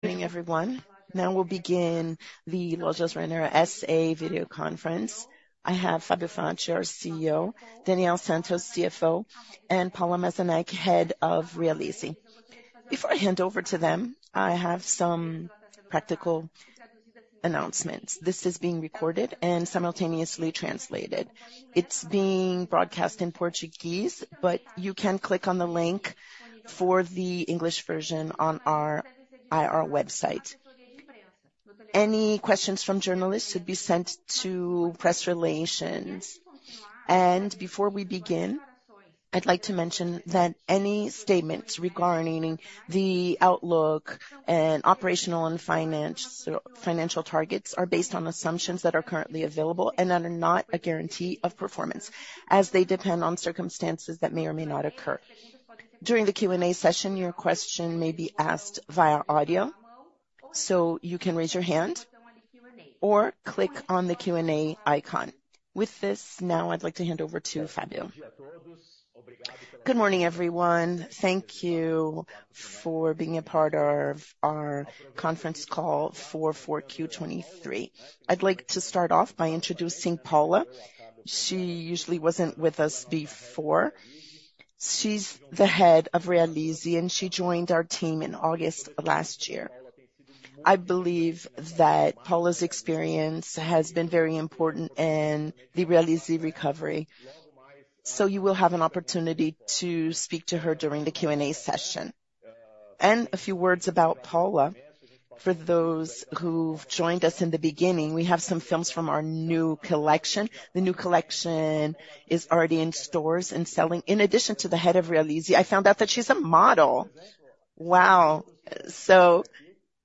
Good evening, everyone. Now we'll begin the Lojas Renner S.A. video conference. I have Fabio Faccio, our CEO, Daniel dos Santos, CFO, and Paula Mazanek, head of Realize CFI. Before I hand over to them, I have some practical announcements. This is being recorded and simultaneously translated. It's being broadcast in Portuguese, but you can click on the link for the English version on our IR website. Any questions from journalists should be sent to press relations. Before we begin, I'd like to mention that any statements regarding the outlook and operational and financial targets are based on assumptions that are currently available and that are not a guarantee of performance, as they depend on circumstances that may or may not occur. During the Q&A session, your question may be asked via audio, so you can raise your hand or click on the Q&A icon. With this, now I'd like to hand over to Fabio. Good morning, everyone. Thank you for being a part of our conference call 4Q23. I'd like to start off by introducing Paula. She usually wasn't with us before. She's the head of Realize, and she joined our team in August last year. I believe that Paula's experience has been very important in the Realize recovery, so you will have an opportunity to speak to her during the Q&A session. And a few words about Paula. For those who've joined us in the beginning, we have some films from our new collection. The new collection is already in stores and selling. In addition to the head of Realize, I found out that she's a model. Wow. So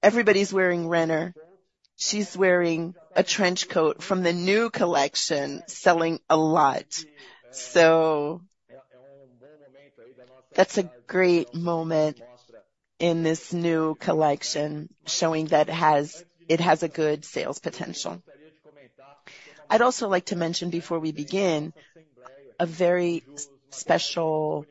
everybody's wearing Renner. She's wearing a trench coat from the new collection, selling a lot. So that's a great moment in this new collection, showing that it has a good sales potential. I'd also like to mention, before we begin, a very special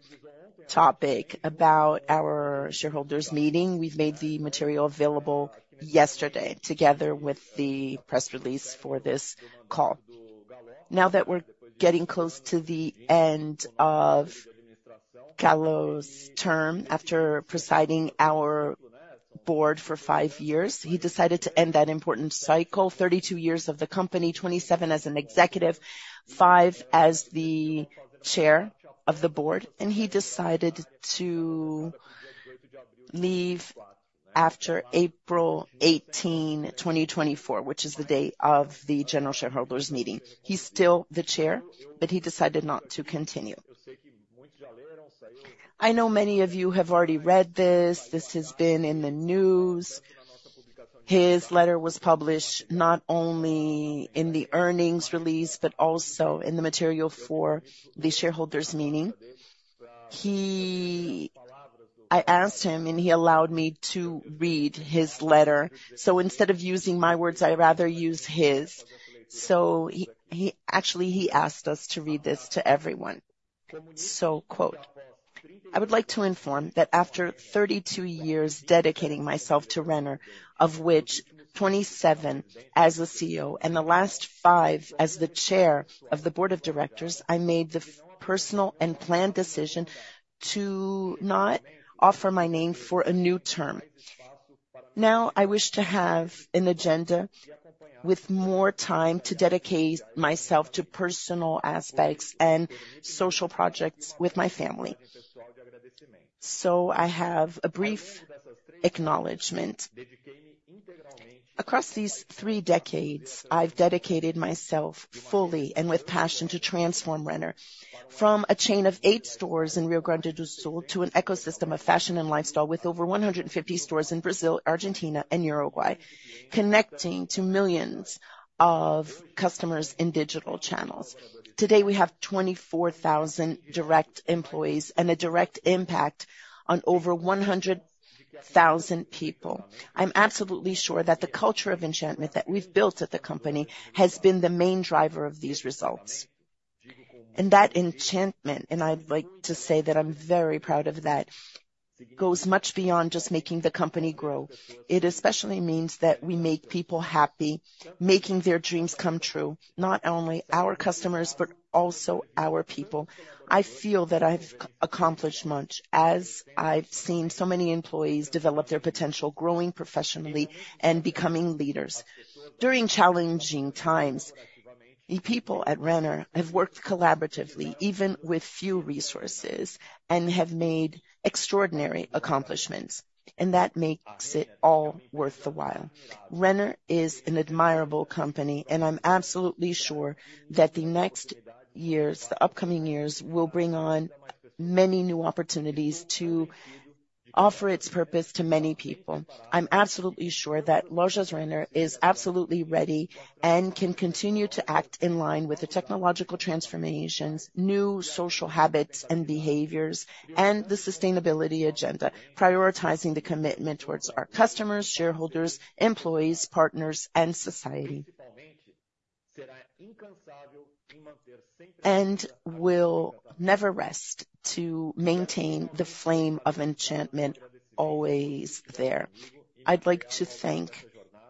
topic about our shareholders' meeting. We've made the material available yesterday together with the press release for this call. Now that we're getting close to the end of José Galló's term, after presiding our board for 5 years, he decided to end that important cycle: 32 years of the company, 27 as an executive, 5 as the chair of the board. And he decided to leave after April 18, 2024, which is the day of the general shareholders' meeting. He's still the chair, but he decided not to continue. I know many of you have already read this. This has been in the news. His letter was published not only in the earnings release but also in the material for the shareholders' meeting. I asked him, and he allowed me to read his letter. So instead of using my words, I'd rather use his. So actually, he asked us to read this to everyone. So, quote, "I would like to inform that after 32 years dedicating myself to Renner, of which 27 as a CEO and the last 5 as the chair of the board of directors, I made the personal and planned decision to not offer my name for a new term. Now I wish to have an agenda with more time to dedicate myself to personal aspects and social projects with my family." So I have a brief acknowledgment. Across these three decades, I've dedicated myself fully and with passion to transform Renner, from a chain of 8 stores in Rio Grande do Sul to an ecosystem of fashion and lifestyle with over 150 stores in Brazil, Argentina, and Uruguay, connecting to millions of customers in digital channels. Today, we have 24,000 direct employees and a direct impact on over 100,000 people. I'm absolutely sure that the culture of enchantment that we've built at the company has been the main driver of these results. And that enchantment - and I'd like to say that I'm very proud of that - goes much beyond just making the company grow. It especially means that we make people happy, making their dreams come true, not only our customers but also our people. I feel that I've accomplished much as I've seen so many employees develop their potential, growing professionally, and becoming leaders. During challenging times, the people at Renner have worked collaboratively, even with few resources, and have made extraordinary accomplishments. That makes it all worth the while. Renner is an admirable company, and I'm absolutely sure that the next years, the upcoming years, will bring on many new opportunities to offer its purpose to many people. I'm absolutely sure that Lojas Renner is absolutely ready and can continue to act in line with the technological transformations, new social habits and behaviors, and the sustainability agenda, prioritizing the commitment towards our customers, shareholders, employees, partners, and society, and will never rest to maintain the flame of enchantment always there. I'd like to thank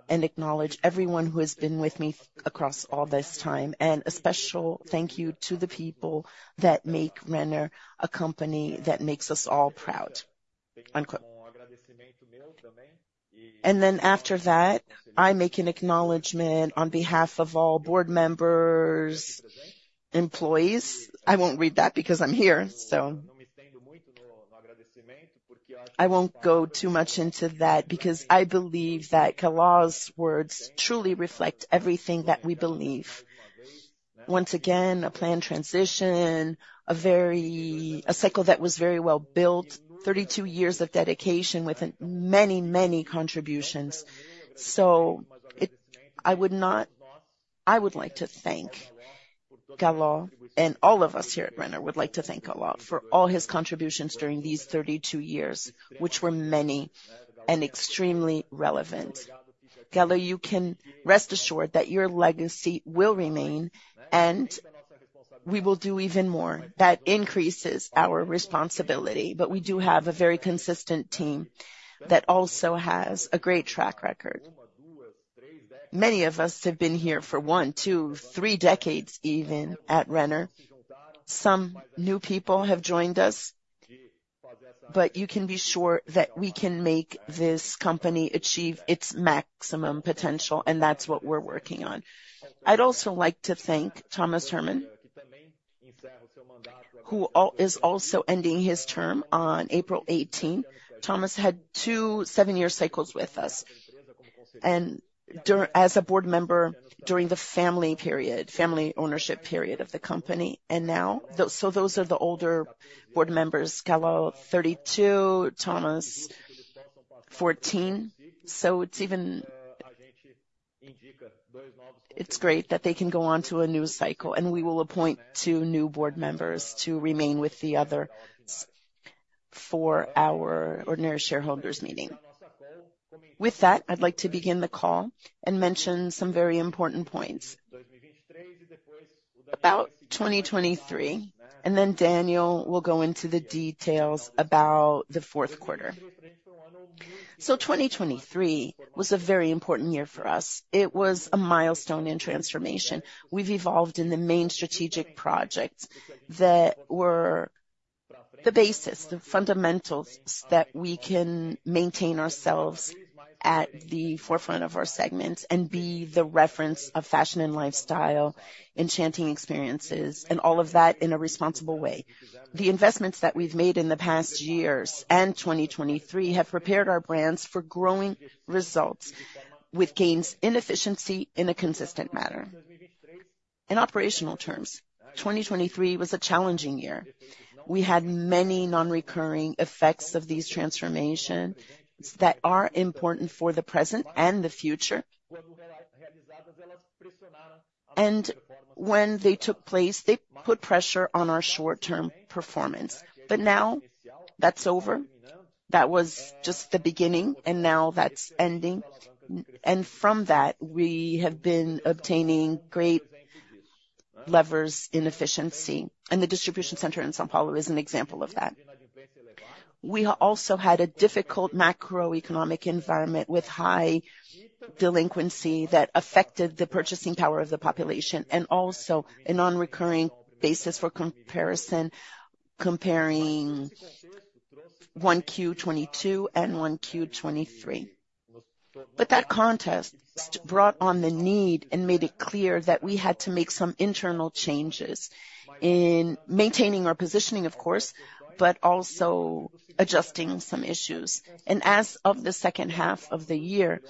and acknowledge everyone who has been with me across all this time, and a special thank you to the people that make Renner a company that makes us all proud. And then after that, I make an acknowledgment on behalf of all board members, employees - I won't read that because I'm here, so - I won't go too much into that because I believe that Galló's words truly reflect everything that we believe. Once again, a planned transition, a cycle that was very well built, 32 years of dedication with many, many contributions. So I would like to thank Galló, and all of us here at Renner would like to thank Galló for all his contributions during these 32 years, which were many and extremely relevant. Galló, you can rest assured that your legacy will remain, and we will do even more. That increases our responsibility, but we do have a very consistent team that also has a great track record. Many of us have been here for one, two, three decades even at Renner. Some new people have joined us, but you can be sure that we can make this company achieve its maximum potential, and that's what we're working on. I'd also like to thank Thomas Herrmann, who is also ending his term on April 18. Thomas had two seven-year cycles with us as a board member during the family ownership period of the company. So those are the older board members: Galló, 32; Thomas, 14. So it's great that they can go on to a new cycle, and we will appoint two new board members to remain with the other for our ordinary shareholders' meeting. With that, I'd like to begin the call and mention some very important points about 2023, and then Daniel will go into the details about the fourth quarter. 2023 was a very important year for us. It was a milestone in transformation. We've evolved in the main strategic projects that were the basis, the fundamentals that we can maintain ourselves at the forefront of our segments and be the reference of fashion and lifestyle, enchanting experiences, and all of that in a responsible way. The investments that we've made in the past years and 2023 have prepared our brands for growing results with gains in efficiency in a consistent manner. In operational terms, 2023 was a challenging year. We had many non-recurring effects of these transformations that are important for the present and the future, and when they took place, they put pressure on our short-term performance. Now that's over. That was just the beginning, and now that's ending. From that, we have been obtaining great levers in efficiency, and the distribution center in São Paulo is an example of that. We also had a difficult macroeconomic environment with high delinquency that affected the purchasing power of the population and also a non-recurring basis for comparison comparing 1Q22 and 1Q23. That context brought on the need and made it clear that we had to make some internal changes in maintaining our positioning, of course, but also adjusting some issues. As of the second half of the year,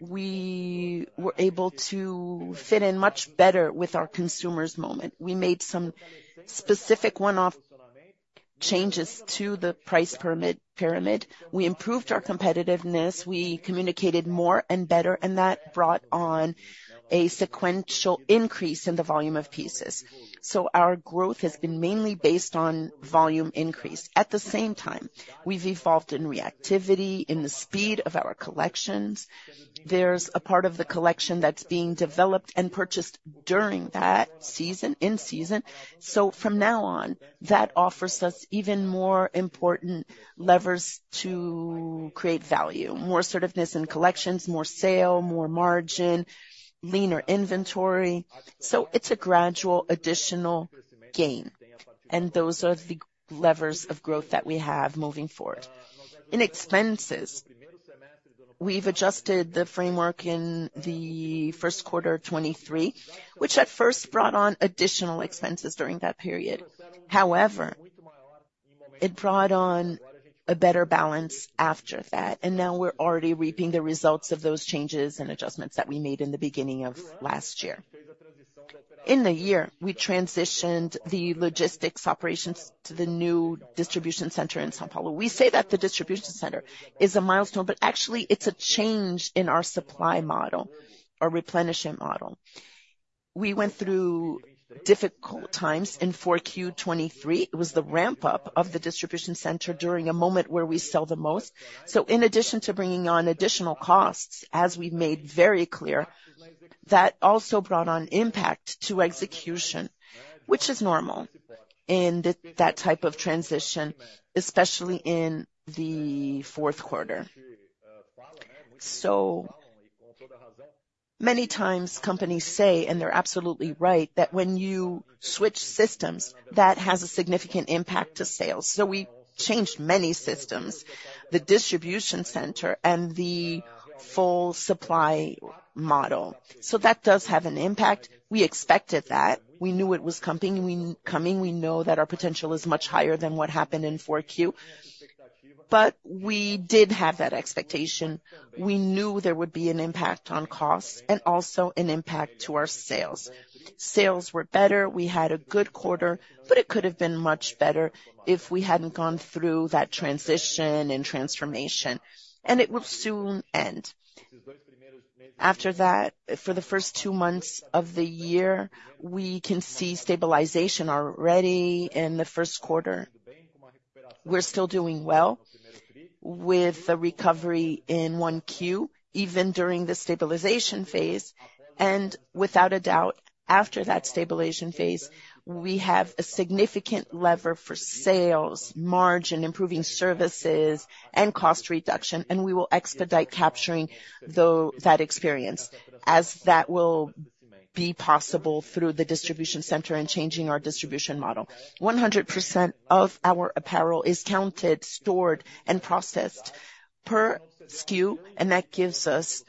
we were able to fit in much better with our consumers' moment. We made some specific one-off changes to the price pyramid. We improved our competitiveness. We communicated more and better, and that brought on a sequential increase in the volume of pieces. So our growth has been mainly based on volume increase. At the same time, we've evolved in reactivity, in the speed of our collections. There's a part of the collection that's being developed and purchased during that season, in season. So from now on, that offers us even more important levers to create value: more assertiveness in collections, more sale, more margin, leaner inventory. So it's a gradual additional gain, and those are the levers of growth that we have moving forward. In expenses, we've adjusted the framework in the first quarter of 2023, which at first brought on additional expenses during that period. However, it brought on a better balance after that, and now we're already reaping the results of those changes and adjustments that we made in the beginning of last year. In the year, we transitioned the logistics operations to the new distribution center in São Paulo. We say that the distribution center is a milestone, but actually, it's a change in our supply model, our replenishment model. We went through difficult times in 4Q23. It was the ramp-up of the distribution center during a moment where we sell the most. In addition to bringing on additional costs, as we've made very clear, that also brought on impact to execution, which is normal in that type of transition, especially in the fourth quarter. Many times, companies say, and they're absolutely right, that when you switch systems, that has a significant impact to sales. We changed many systems: the distribution center and the full supply model. That does have an impact. We expected that. We knew it was coming. We know that our potential is much higher than what happened in 4Q, but we did have that expectation. We knew there would be an impact on costs and also an impact to our sales. Sales were better. We had a good quarter, but it could have been much better if we hadn't gone through that transition and transformation, and it will soon end. After that, for the first two months of the year, we can see stabilization already in the first quarter. We're still doing well with the recovery in 1Q, even during the stabilization phase. And without a doubt, after that stabilization phase, we have a significant lever for sales, margin, improving services, and cost reduction, and we will expedite capturing that experience as that will be possible through the distribution center and changing our distribution model. 100% of our apparel is counted, stored, and processed per SKU, and that gives us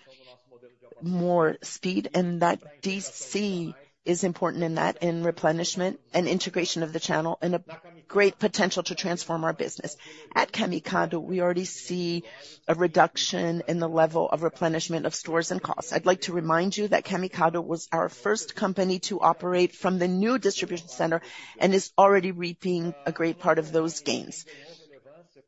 more speed, and that DC is important in that, in replenishment and integration of the channel, and a great potential to transform our business. At Camicado, we already see a reduction in the level of replenishment of stores and costs. I'd like to remind you that Camicado was our first company to operate from the new distribution center and is already reaping a great part of those gains.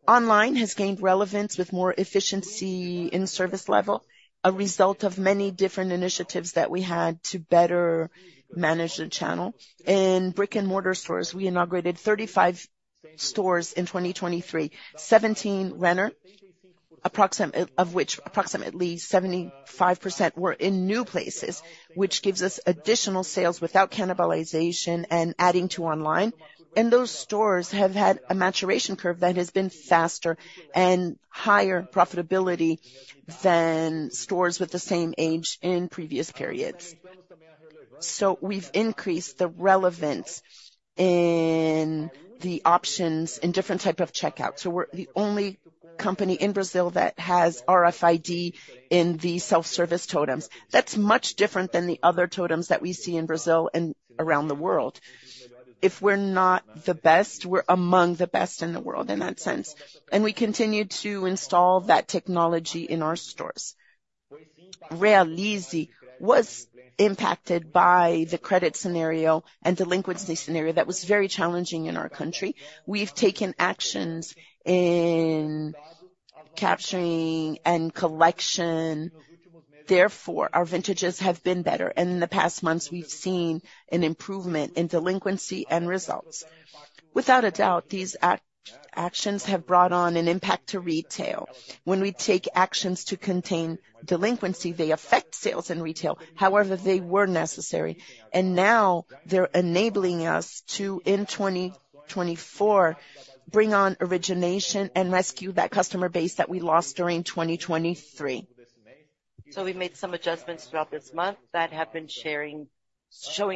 Online has gained relevance with more efficiency in service level, a result of many different initiatives that we had to better manage the channel. In brick-and-mortar stores, we inaugurated 35 stores in 2023, 17 Renner, of which approximately 75% were in new places, which gives us additional sales without cannibalization and adding to online. Those stores have had a maturation curve that has been faster and higher profitability than stores with the same age in previous periods. We've increased the relevance in the options in different types of checkout. We're the only company in Brazil that has RFID in the self-service totems. That's much different than the other totems that we see in Brazil and around the world. If we're not the best, we're among the best in the world in that sense, and we continue to install that technology in our stores. Realize was impacted by the credit scenario and delinquency scenario that was very challenging in our country. We've taken actions in capturing and collection. Therefore, our vintages have been better, and in the past months, we've seen an improvement in delinquency and results. Without a doubt, these actions have brought on an impact to retail. When we take actions to contain delinquency, they affect sales in retail, however they were necessary, and now they're enabling us to, in 2024, bring on origination and rescue that customer base that we lost during 2023. So we've made some adjustments throughout this month that have been showing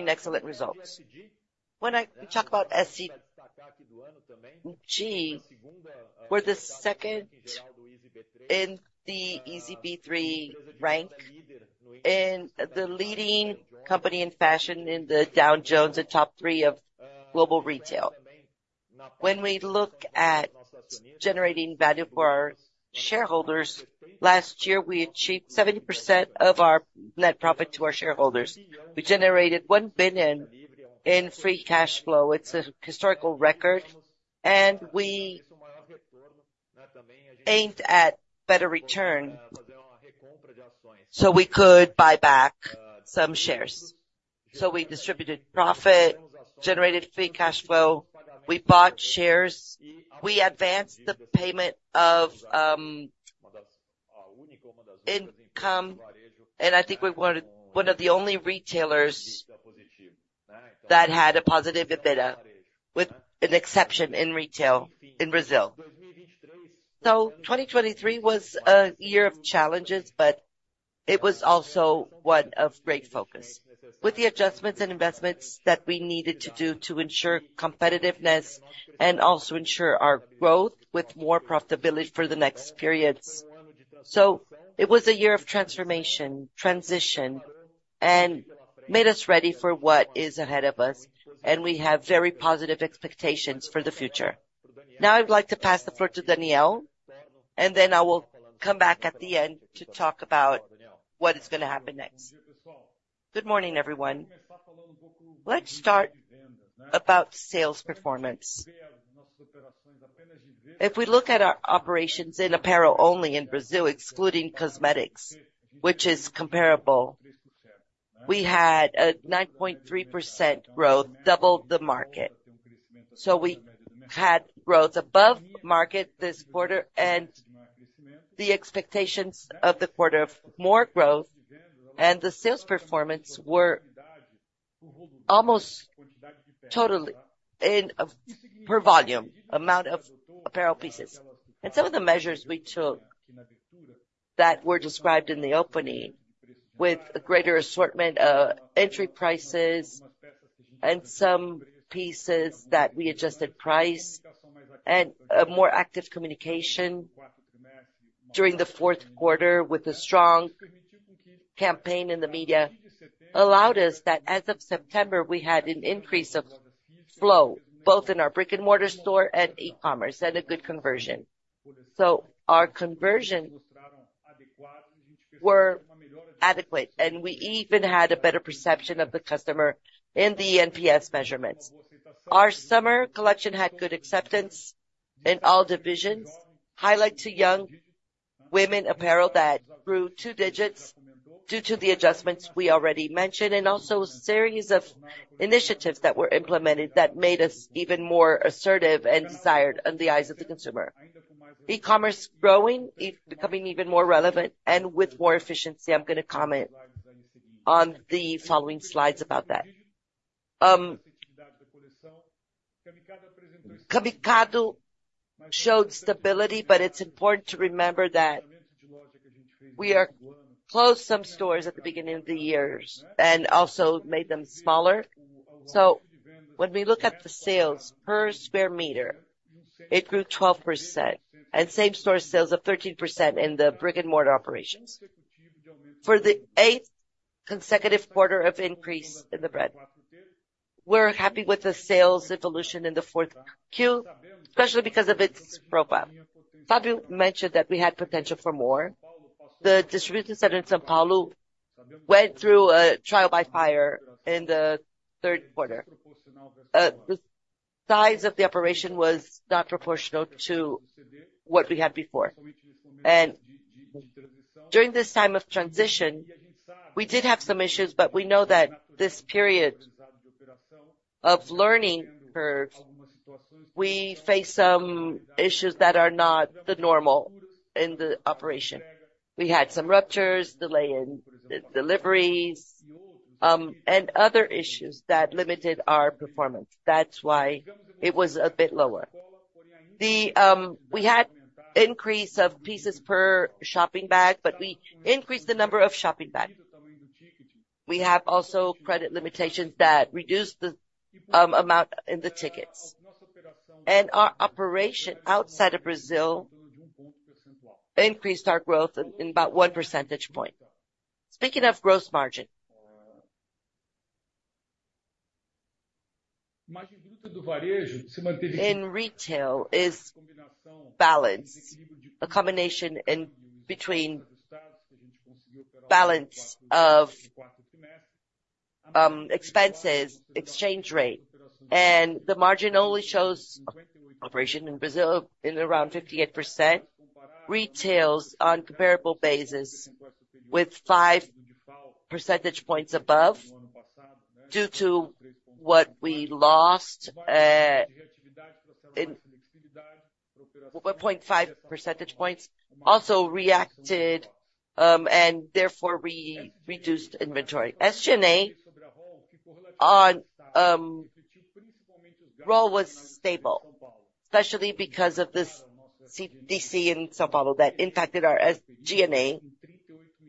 excellent results. When we talk about ESG, we're the second in the ISE B3 rank and the leading company in fashion in the Dow Jones, the top three of global retail. When we look at generating value for our shareholders, last year, we achieved 70% of our net profit to our shareholders. We generated 1 billion in free cash flow. It's a historical record, and we aimed at better return so we could buy back some shares. So we distributed profit, generated free cash flow. We bought shares. We advanced the payment of income, and I think we were one of the only retailers that had a positive EBITDA, with an exception in retail in Brazil. So 2023 was a year of challenges, but it was also one of great focus with the adjustments and investments that we needed to do to ensure competitiveness and also ensure our growth with more profitability for the next periods. It was a year of transformation, transition, and made us ready for what is ahead of us, and we have very positive expectations for the future. Now I'd like to pass the floor to Daniel, and then I will come back at the end to talk about what is going to happen next. Good morning, everyone. Let's start about sales performance. If we look at our operations in apparel only in Brazil, excluding cosmetics, which is comparable, we had a 9.3% growth, doubled the market. So we had growth above market this quarter, and the expectations of the quarter of more growth and the sales performance were almost totally per volume, amount of apparel pieces. Some of the measures we took that were described in the opening, with a greater assortment of entry prices and some pieces that we adjusted price and more active communication during the fourth quarter, with a strong campaign in the media, allowed us that as of September, we had an increase of flow both in our brick-and-mortar store and e-commerce and a good conversion. So our conversions were adequate, and we even had a better perception of the customer in the NPS measurements. Our summer collection had good acceptance in all divisions, highlight to young women apparel that grew two digits due to the adjustments we already mentioned, and also a series of initiatives that were implemented that made us even more assertive and desired in the eyes of the consumer. E-commerce growing, becoming even more relevant and with more efficiency. I'm going to comment on the following slides about that. Camicado showed stability, but it's important to remember that we closed some stores at the beginning of the years and also made them smaller. So when we look at the sales per square meter, it grew 12%, and same-store sales of 13% in the brick-and-mortar operations for the eighth consecutive quarter of increase in the brand. We're happy with the sales evolution in the fourth Q, especially because of its profile. Fabio mentioned that we had potential for more. The distribution center in São Paulo went through a trial by fire in the third quarter. The size of the operation was not proportional to what we had before. During this time of transition, we did have some issues, but we know that this period of learning curve, we faced some issues that are not the normal in the operation. We had some ruptures, delay in deliveries, and other issues that limited our performance. That's why it was a bit lower. We had an increase of pieces per shopping bag, but we increased the number of shopping bags. We have also credit limitations that reduced the amount in the tickets, and our operation outside of Brazil increased our growth in about 1 percentage point. Speaking of gross margin, in retail is a combination between balance of expenses, exchange rate, and the margin only shows operation in Brazil in around 58%, retail on comparable basis with 5 percentage points above due to what we lost, 1.5 percentage points, also reacted, and therefore we reduced inventory. SG&A ratio was stable, especially because of this DC in São Paulo that impacted our SG&A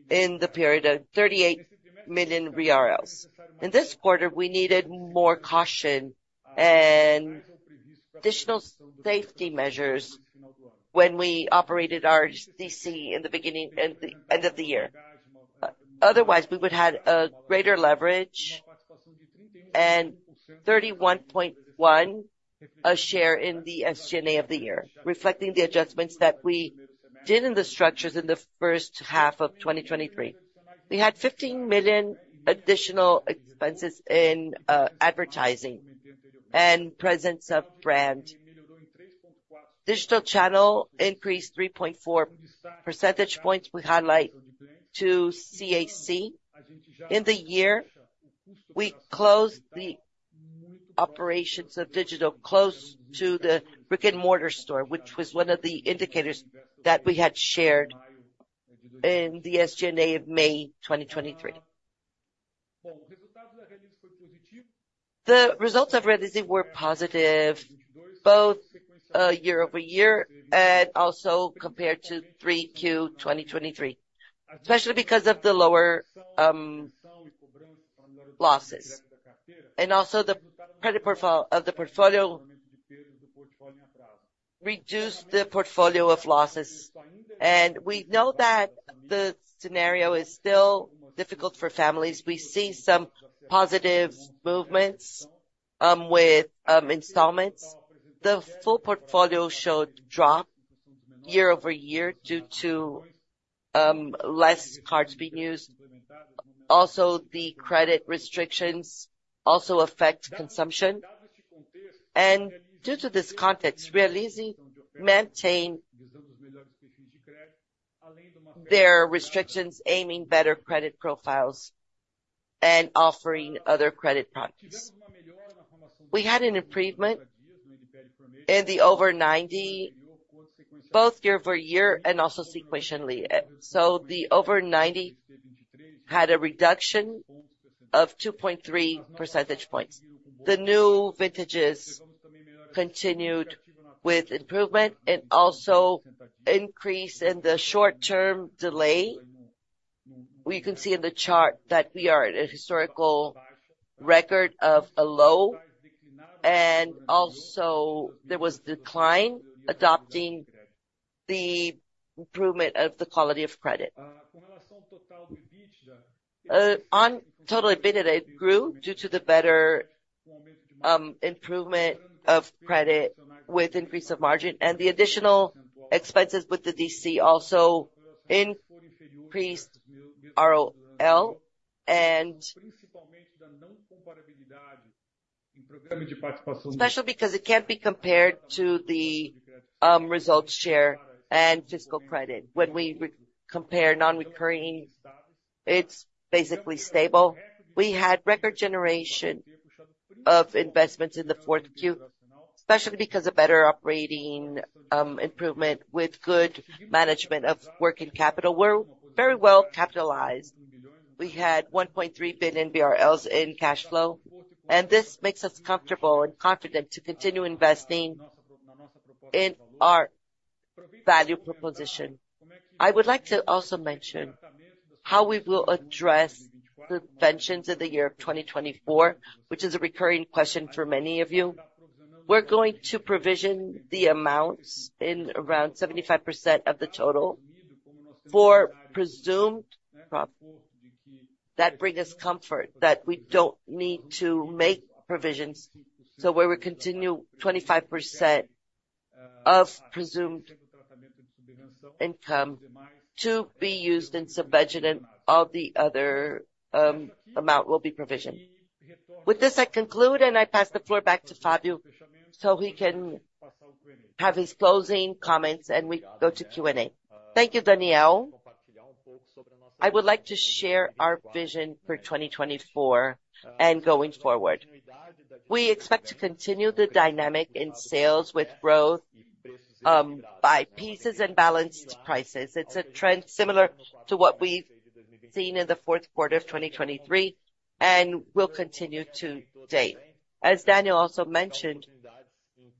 in the period of BRL 38 million. In this quarter, we needed more caution and additional safety measures when we operated our DC in the beginning and the end of the year. Otherwise, we would have had a greater leverage and 31.1% a share in the SG&A of the year, reflecting the adjustments that we did in the structures in the first half of 2023. We had 15 million additional expenses in advertising and presence of brand. Digital channel increased 3.4 percentage points. We highlight to CAC. In the year, we closed the operations of digital close to the brick-and-mortar store, which was one of the indicators that we had shared in the SG&A of May 2023. The results of Realize were positive, both year-over-year and also compared to 3Q 2023, especially because of the lower losses and also the credit profile of the portfolio reduced the portfolio of losses. And we know that the scenario is still difficult for families. We see some positive movements with installments. The full portfolio showed drop year-over-year due to less cards being used. Also, the credit restrictions also affect consumption. And due to this context, Realize maintained their restrictions aiming better credit profiles and offering other credit products. We had an improvement in the over-90, both year-over-year and also sequentially. The over 90 had a reduction of 2.3 percentage points. The new vintages continued with improvement and also increase in the short-term delay. We can see in the chart that we are at a historical record of a low, and also there was decline adopting the improvement of the quality of credit. On total EBITDA, it grew due to the better improvement of credit with increase of margin, and the additional expenses with the DC also increased ROL, especially because it can't be compared to the results share and fiscal credit. When we compare non-recurring, it's basically stable. We had record generation of investments in the fourth Q, especially because of better operating improvement with good management of working capital. We're very well capitalized. We had 1.3 billion BRL in cash flow, and this makes us comfortable and confident to continue investing in our value proposition. I would like to also mention how we will address subventions in the year of 2024, which is a recurring question for many of you. We're going to provision the amounts in around 75% of the total for presumed profit that bring us comfort, that we don't need to make provisions. So where we continue 25% of presumed income to be used in subvention and all the other amount will be provisioned. With this, I conclude, and I pass the floor back to Fabio so he can have his closing comments, and we go to Q&A. Thank you, Daniel. I would like to share our vision for 2024 and going forward. We expect to continue the dynamic in sales with growth by pieces and balanced prices. It's a trend similar to what we've seen in the fourth quarter of 2023 and will continue to date. As Daniel also mentioned,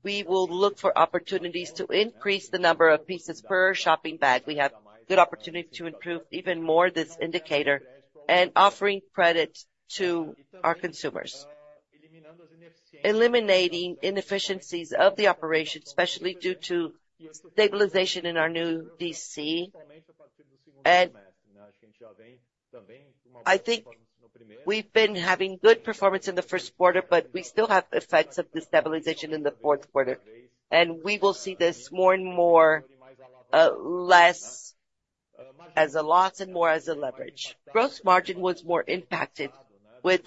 we will look for opportunities to increase the number of pieces per shopping bag. We have good opportunity to improve even more this indicator and offering credit to our consumers, eliminating inefficiencies of the operation, especially due to stabilization in our new DC. I think we've been having good performance in the first quarter, but we still have effects of destabilization in the fourth quarter, and we will see this more and more less as a loss and more as a leverage. Gross margin was more impacted with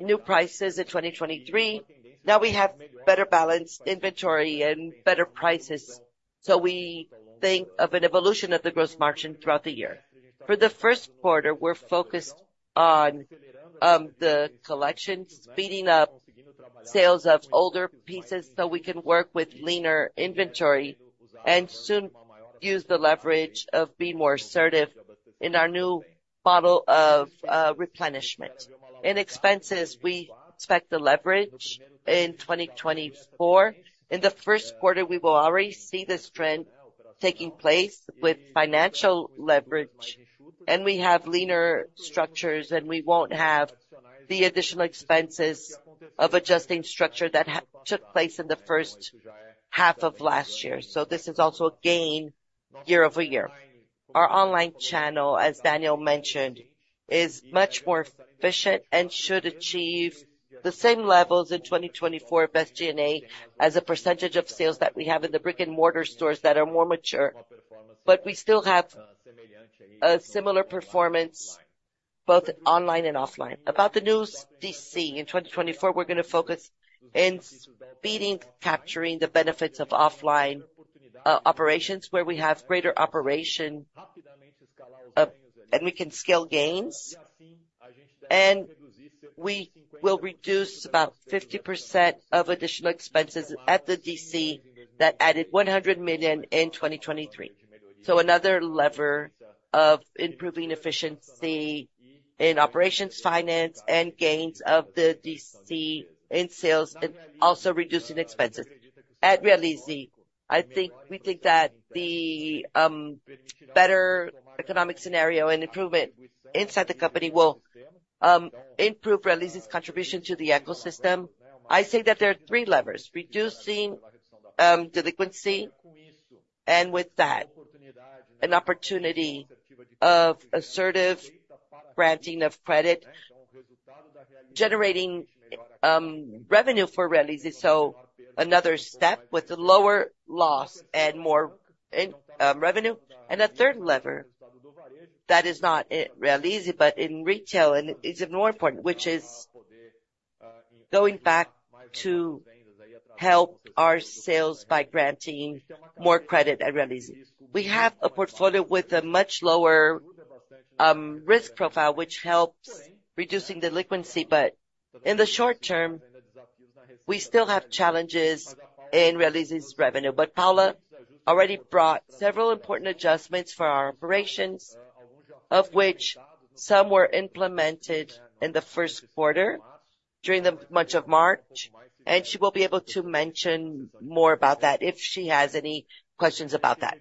new prices in 2023. Now we have better balanced inventory and better prices, so we think of an evolution of the gross margin throughout the year. For the first quarter, we're focused on the collection, speeding up sales of older pieces so we can work with leaner inventory and soon use the leverage of being more assertive in our new model of replenishment. In expenses, we expect the leverage in 2024. In the first quarter, we will already see this trend taking place with financial leverage, and we have leaner structures, and we won't have the additional expenses of adjusting structure that took place in the first half of last year. So this is also a gain year-over-year. Our online channel, as Daniel mentioned, is much more efficient and should achieve the same levels in 2024 of SG&A as a percentage of sales that we have in the brick-and-mortar stores that are more mature, but we still have a similar performance both online and offline. About the new DC in 2024, we're going to focus on speeding, capturing the benefits of offline operations where we have greater operation, and we can scale gains. We will reduce about 50% of additional expenses at the DC that added 100 million in 2023. So another lever of improving efficiency in operations, finance, and gains of the DC in sales and also reducing expenses. At Realize, I think we think that the better economic scenario and improvement inside the company will improve Realize's contribution to the ecosystem. I say that there are three levers: reducing delinquency, and with that, an opportunity of assertive granting of credit, generating revenue for Realize. So another step with a lower loss and more revenue. A third lever that is not Realize but in retail, and it's even more important, which is going back to help our sales by granting more credit at Realize. We have a portfolio with a much lower risk profile, which helps reduce delinquency, but in the short term, we still have challenges in Realize's revenue. But Paula already brought several important adjustments for our operations, of which some were implemented in the first quarter during the month of March, and she will be able to mention more about that if she has any questions about that.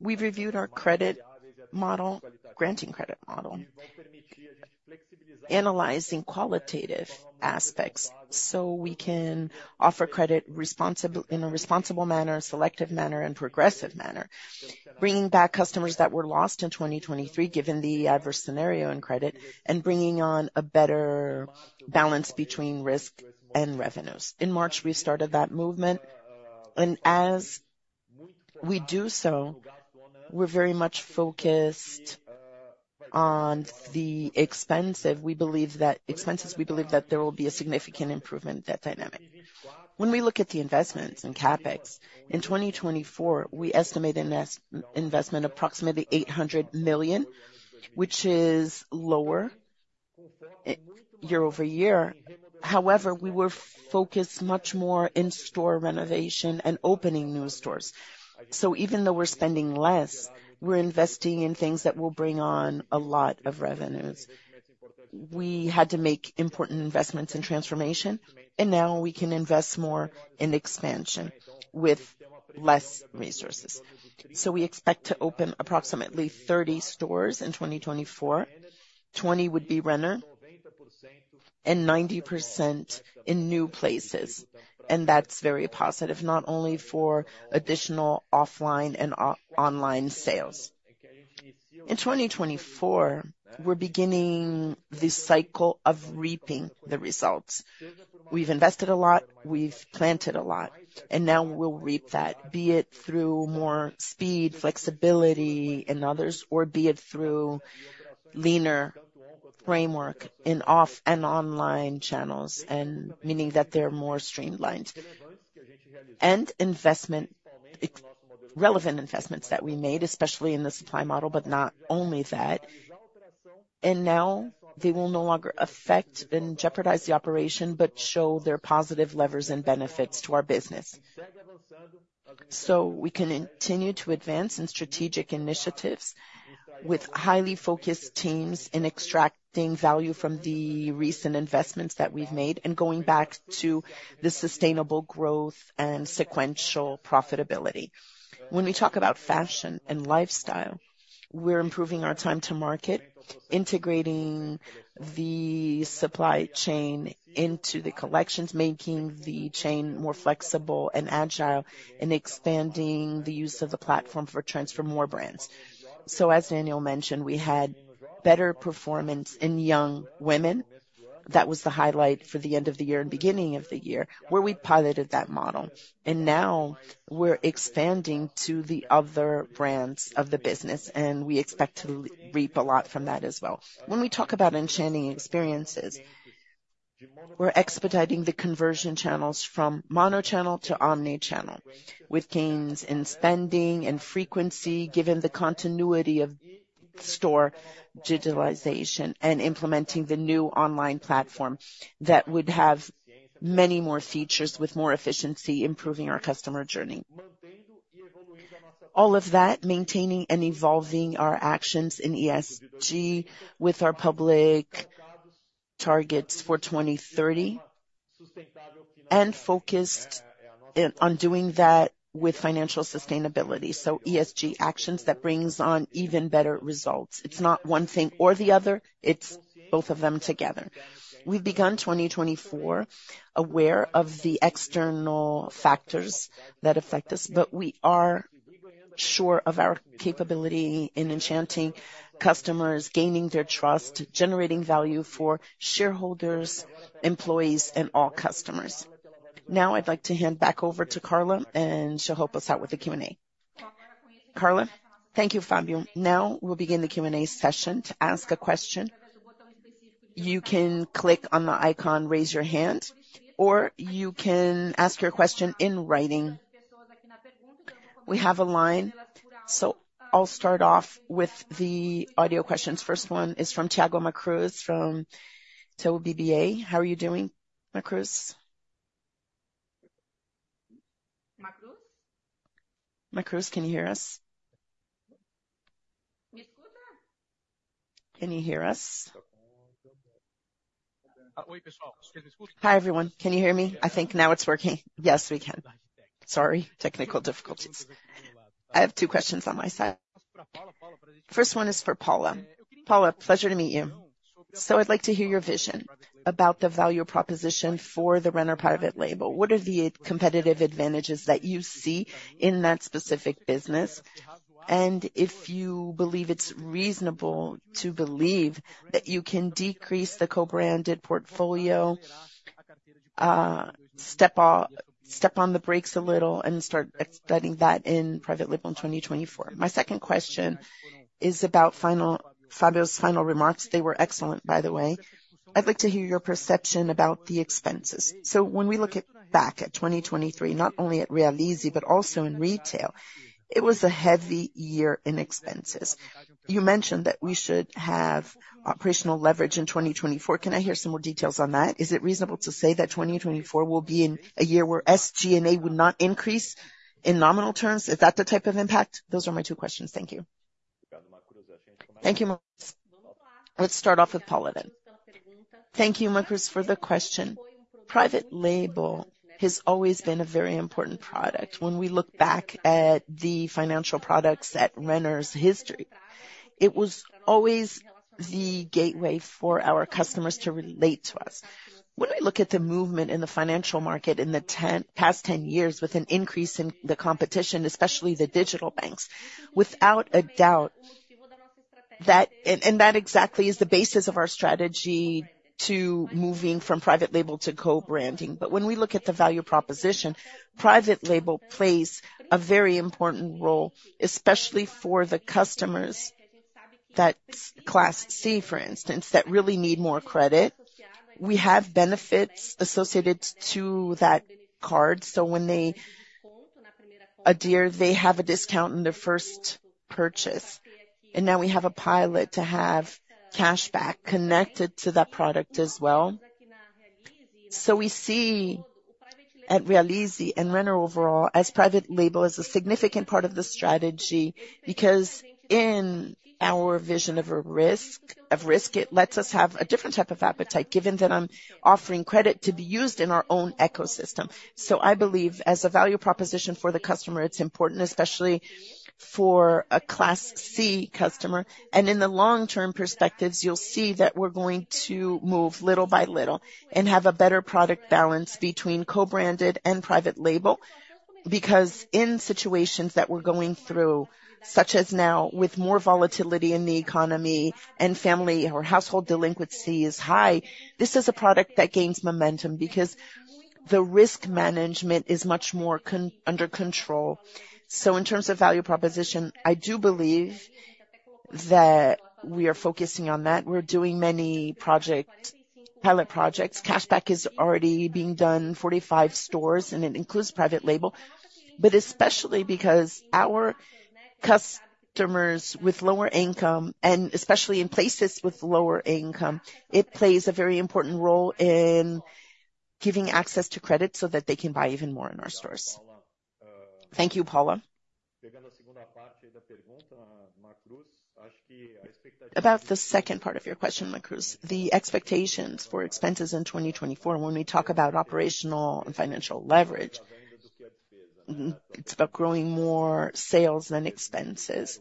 We've reviewed our credit model, granting credit model, analyzing qualitative aspects so we can offer credit in a responsible manner, selective manner, and progressive manner, bringing back customers that were lost in 2023 given the adverse scenario in credit, and bringing on a better balance between risk and revenues. In March, we started that movement, and as we do so, we're very much focused on the expenses. We believe that expenses. We believe that there will be a significant improvement in that dynamic. When we look at the investments and CapEx, in 2024, we estimate an investment of approximately 800 million, which is lower year-over-year. However, we were focused much more in store renovation and opening new stores. So even though we're spending less, we're investing in things that will bring on a lot of revenues. We had to make important investments in transformation, and now we can invest more in expansion with less resources. So we expect to open approximately 30 stores in 2024. 20 would be Renner and 90% in new places, and that's very positive, not only for additional offline and online sales. In 2024, we're beginning the cycle of reaping the results. We've invested a lot. We've planted a lot, and now we'll reap that, be it through more speed, flexibility, and others, or be it through leaner framework in offline and online channels, meaning that they're more streamlined and relevant investments that we made, especially in the supply model, but not only that. And now they will no longer affect and jeopardize the operation but show their positive levers and benefits to our business. We can continue to advance in strategic initiatives with highly focused teams in extracting value from the recent investments that we've made and going back to the sustainable growth and sequential profitability. When we talk about fashion and lifestyle, we're improving our time to market, integrating the supply chain into the collections, making the chain more flexible and agile, and expanding the use of the platform for transfer more brands. As Daniel mentioned, we had better performance in young women. That was the highlight for the end of the year and beginning of the year where we piloted that model. Now we're expanding to the other brands of the business, and we expect to reap a lot from that as well. When we talk about enchanting experiences, we're expediting the conversion channels from monochannel to omnichannel with gains in spending and frequency given the continuity of store digitalization and implementing the new online platform that would have many more features with more efficiency, improving our customer journey. All of that, maintaining and evolving our actions in ESG with our public targets for 2030 and focused on doing that with financial sustainability, so ESG actions that bring on even better results. It's not one thing or the other. It's both of them together. We've begun 2024 aware of the external factors that affect us, but we are sure of our capability in enchanting customers, gaining their trust, generating value for shareholders, employees, and all customers. Now I'd like to hand back over to Carla, and she'll help us out with the Q&A. Carla. Thank you, Fabio. Now we'll begin the Q&A session to ask a question. You can click on the icon, raise your hand, or you can ask your question in writing. We have a line, so I'll start off with the audio questions. First one is from Thiago Macruz from Itaú BBA. How are you doing, Macruz? Macruz? Macruz, can you hear us? Can you hear us? Hi everyone. Can you hear me? I think now it's working. Yes, we can. Sorry, technical difficulties. I have two questions on my side. First one is for Paula. Paula, pleasure to meet you. I'd like to hear your vision about the value proposition for the Renner private label. What are the competitive advantages that you see in that specific business? And if you believe it's reasonable to believe that you can decrease the co-branded portfolio, step on the brakes a little, and start expanding that in private label in 2024? My second question is about Fabio's final remarks. They were excellent, by the way. I'd like to hear your perception about the expenses. So when we look back at 2023, not only at Realize but also in retail, it was a heavy year in expenses. You mentioned that we should have operational leverage in 2024. Can I hear some more details on that? Is it reasonable to say that 2024 will be a year where SG&A would not increase in nominal terms? Is that the type of impact? Those are my two questions. Thank you. Thank you so much. Let's start off with Paula then. Thank you, Macruz, for the question. Private Label has always been a very important product. When we look back at the financial products at Renner's history, it was always the gateway for our customers to relate to us. When we look at the movement in the financial market in the past 10 years with an increase in the competition, especially the digital banks, without a doubt that and that exactly is the basis of our strategy to moving from Private Label to co-branding. When we look at the value proposition, Private Label plays a very important role, especially for the customers that's Class C, for instance, that really need more credit. We have benefits associated to that card. So when they adhere, they have a discount in their first purchase. Now we have a pilot to have cashback connected to that product as well. We see at Realize and Renner overall Private Label as a significant part of the strategy because in our vision of risk, it lets us have a different type of appetite given that I'm offering credit to be used in our own ecosystem. I believe as a value proposition for the customer, it's important, especially for a Class C customer. In the long-term perspectives, you'll see that we're going to move little by little and have a better product balance between Co-branded and Private Label because in situations that we're going through, such as now with more volatility in the economy and family or household delinquency is high, this is a product that gains momentum because the risk management is much more under control. In terms of value proposition, I do believe that we are focusing on that. We're doing many pilot projects. Cashback is already being done, 45 stores, and it includes Private Label. But especially because our customers with lower income, and especially in places with lower income, it plays a very important role in giving access to credit so that they can buy even more in our stores. Thank you, Paula. About the second part of your question, Macruz, the expectations for expenses in 2024, when we talk about operational and financial leverage, it's about growing more sales than expenses.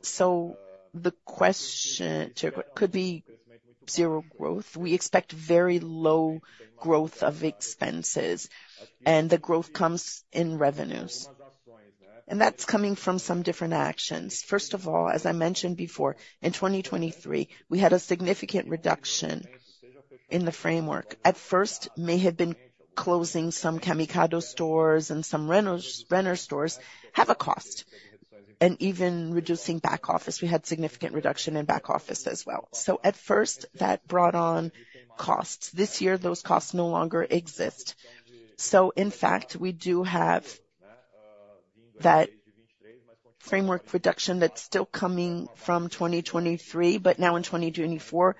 The question could be zero growth. We expect very low growth of expenses, and the growth comes in revenues. That's coming from some different actions. First of all, as I mentioned before, in 2023, we had a significant reduction in the framework. At first, may have been closing some Camicado stores and some Renner stores have a cost. Even reducing back office, we had significant reduction in back office as well. So at first, that brought on costs. This year, those costs no longer exist. So in fact, we do have that framework reduction that's still coming from 2023, but now in 2024,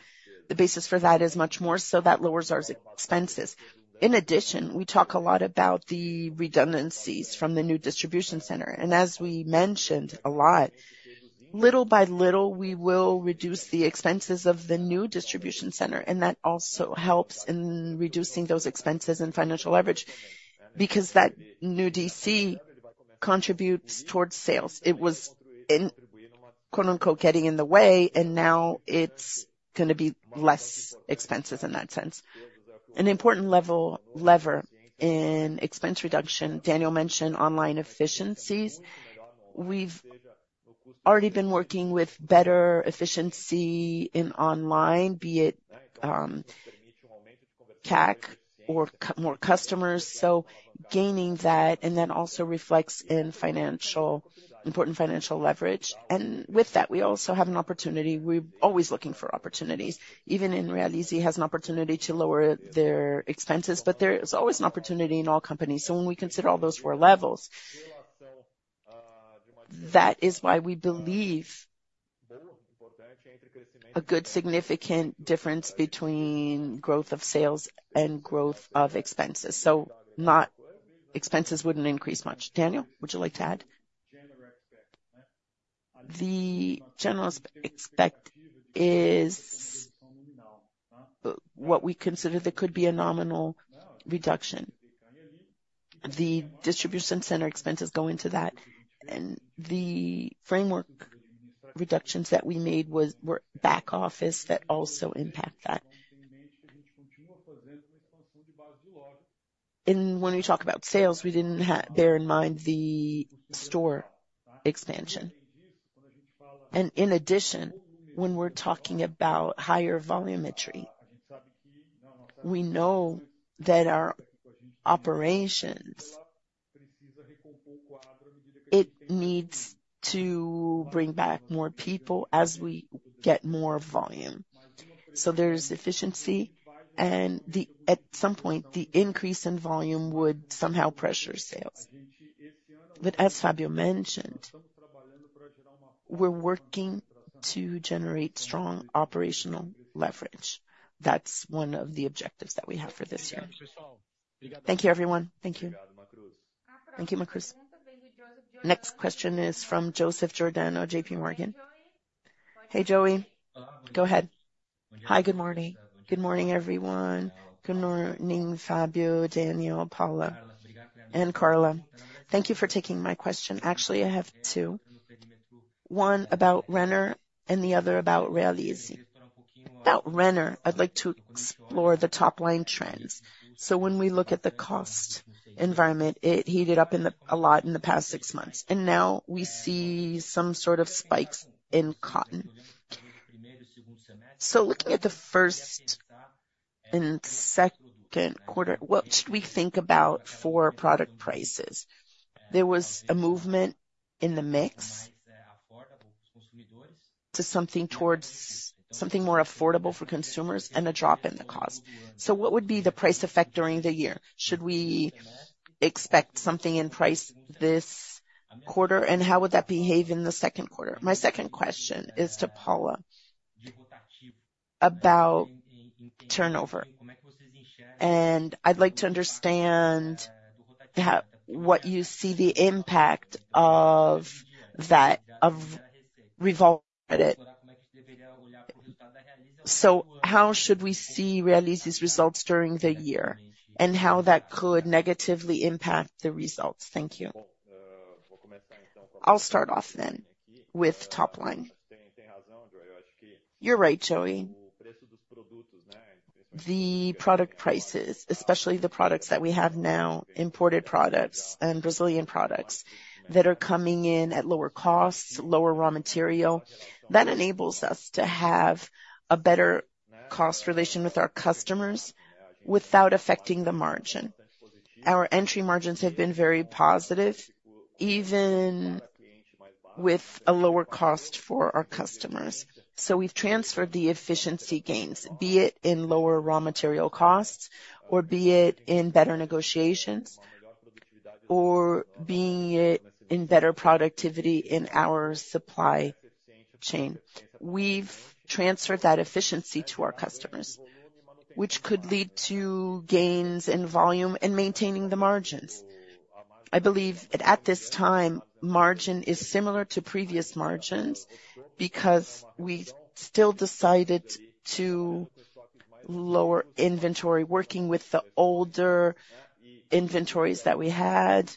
the basis for that is much more, so that lowers our expenses. In addition, we talk a lot about the redundancies from the new distribution center. As we mentioned a lot, little by little, we will reduce the expenses of the new distribution center. That also helps in reducing those expenses and financial leverage because that new DC contributes towards sales. It was "getting in the way," and now it's going to be less expenses in that sense. An important lever in expense reduction, Daniel mentioned online efficiencies. We've already been working with better efficiency in online, be it CAC or more customers. So gaining that and then also reflects in important financial leverage. And with that, we also have an opportunity. We're always looking for opportunities. Even in Realize has an opportunity to lower their expenses, but there is always an opportunity in all companies. So when we consider all those four levels, that is why we believe a good significant difference between growth of sales and growth of expenses. So expenses wouldn't increase much. Daniel, would you like to add? The general expectation is what we consider that could be a nominal reduction. The distribution center expenses go into that, and the framework reductions that we made were back office that also impact that. When we talk about sales, we didn't bear in mind the store expansion. In addition, when we're talking about higher volumetry, we know that our operations need to bring back more people as we get more volume. There's efficiency, and at some point, the increase in volume would somehow pressure sales. As Fabio mentioned, we're working to generate strong operational leverage. That's one of the objectives that we have for this year. Thank you, everyone. Thank you. Thank you, Macruz. Next question is from Joseph Giordano of J.P. Morgan. Hey, Joey. Go ahead. Hi, good morning. Good morning, everyone. Good morning, Fabio, Daniel, Paula, and Carla. Thank you for taking my question. Actually, I have two. One about Renner and the other about Realize. About Renner, I'd like to explore the top-line trends. When we look at the cost environment, it heated up a lot in the past six months. Now we see some sort of spikes in cotton. Looking at the first and second quarter, what should we think about for product prices? There was a movement in the mix to something more affordable for consumers and a drop in the cost. What would be the price effect during the year? Should we expect something in price this quarter, and how would that behave in the second quarter? My second question is to Paula about turnover. I'd like to understand what you see the impact of that. How should we see Realize's results during the year and how that could negatively impact the results? Thank you. I'll start off then with top-line. You're right, Joey. The product prices, especially the products that we have now, imported products and Brazilian products that are coming in at lower costs, lower raw material, that enables us to have a better cost relation with our customers without affecting the margin. Our entry margins have been very positive even with a lower cost for our customers. So we've transferred the efficiency gains, be it in lower raw material costs or be it in better negotiations or being it in better productivity in our supply chain. We've transferred that efficiency to our customers, which could lead to gains in volume and maintaining the margins. I believe at this time, margin is similar to previous margins because we still decided to lower inventory, working with the older inventories that we had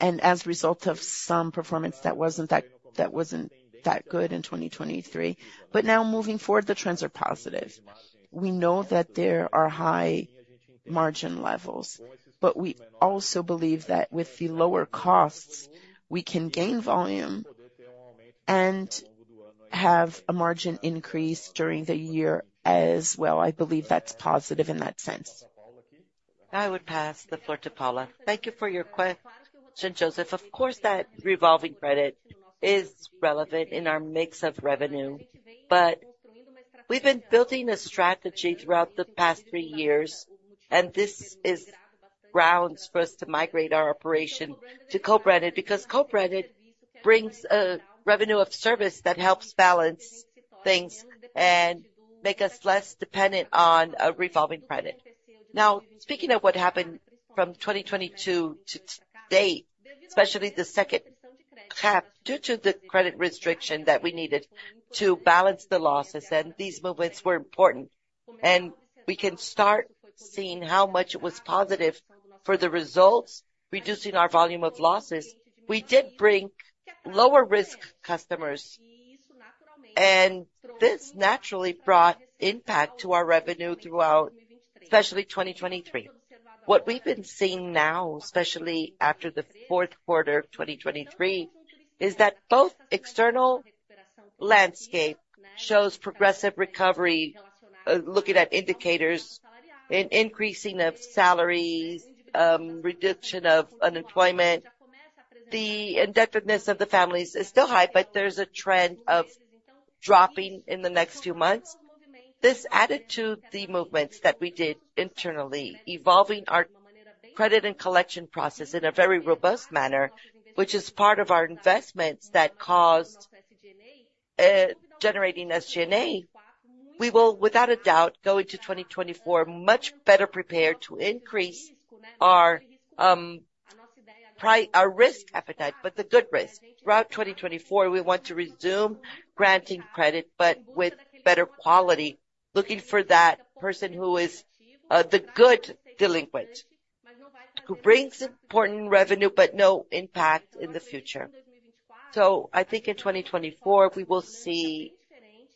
and as a result of some performance that wasn't that good in 2023. But now moving forward, the trends are positive. We know that there are high margin levels, but we also believe that with the lower costs, we can gain volume and have a margin increase during the year as well. I believe that's positive in that sense. I would pass the floor to Paula. Thank you for your question. Joseph, of course, that revolving credit is relevant in our mix of revenue, but we've been building a strategy throughout the past three years, and this is grounds for us to migrate our operation to co-branded because co-branded brings a revenue of service that helps balance things and make us less dependent on a revolving credit. Now, speaking of what happened from 2022 to date, especially the second CAP, due to the credit restriction that we needed to balance the losses, and these movements were important, and we can start seeing how much it was positive for the results, reducing our volume of losses, we did bring lower-risk customers, and this naturally brought impact to our revenue throughout, especially 2023. What we've been seeing now, especially after the fourth quarter of 2023, is that the external landscape shows progressive recovery, looking at indicators, an increase of salaries, reduction of unemployment. The indebtedness of the families is still high, but there's a trend of dropping in the next few months. This added to the movements that we did internally, evolving our credit and collection process in a very robust manner, which is part of our investments that caused generating SG&A. We will, without a doubt, go into 2024 much better prepared to increase our risk appetite, but the good risk. Throughout 2024, we want to resume granting credit, but with better quality, looking for that person who is the good delinquent, who brings important revenue but no impact in the future. So I think in 2024, we will see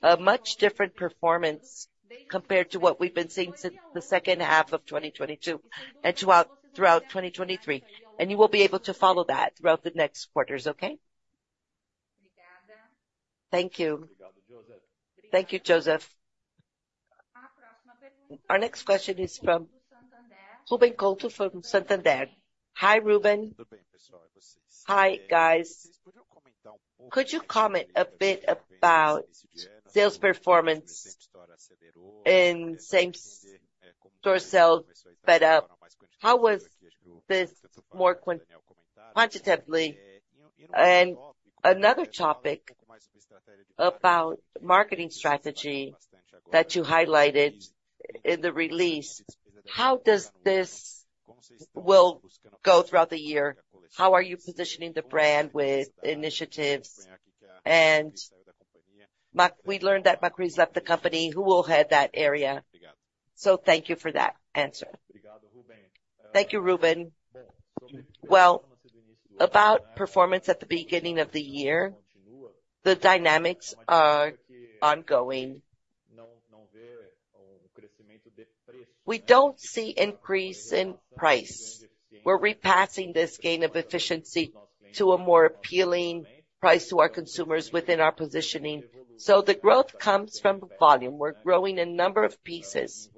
a much different performance compared to what we've been seeing since the second half of 2022 and throughout 2023. And you will be able to follow that throughout the next quarters, okay? Thank you. Thank you, Joseph. Our next question is from Ruben Couto from Santander. Hi, Ruben. Hi, guys. Could you comment a bit about sales performance and sales sped up? How was this more quantitatively? And another topic about marketing strategy that you highlighted in the release, how will this go throughout the year? How are you positioning the brand with initiatives? And we learned that Macruz left the company. Who will head that area? So thank you for that answer. Thank you, Ruben. Well, about performance at the beginning of the year, the dynamics are ongoing. We don't see increase in price. We're repassing this gain of efficiency to a more appealing price to our consumers within our positioning. So the growth comes from volume. We're growing a number of pieces,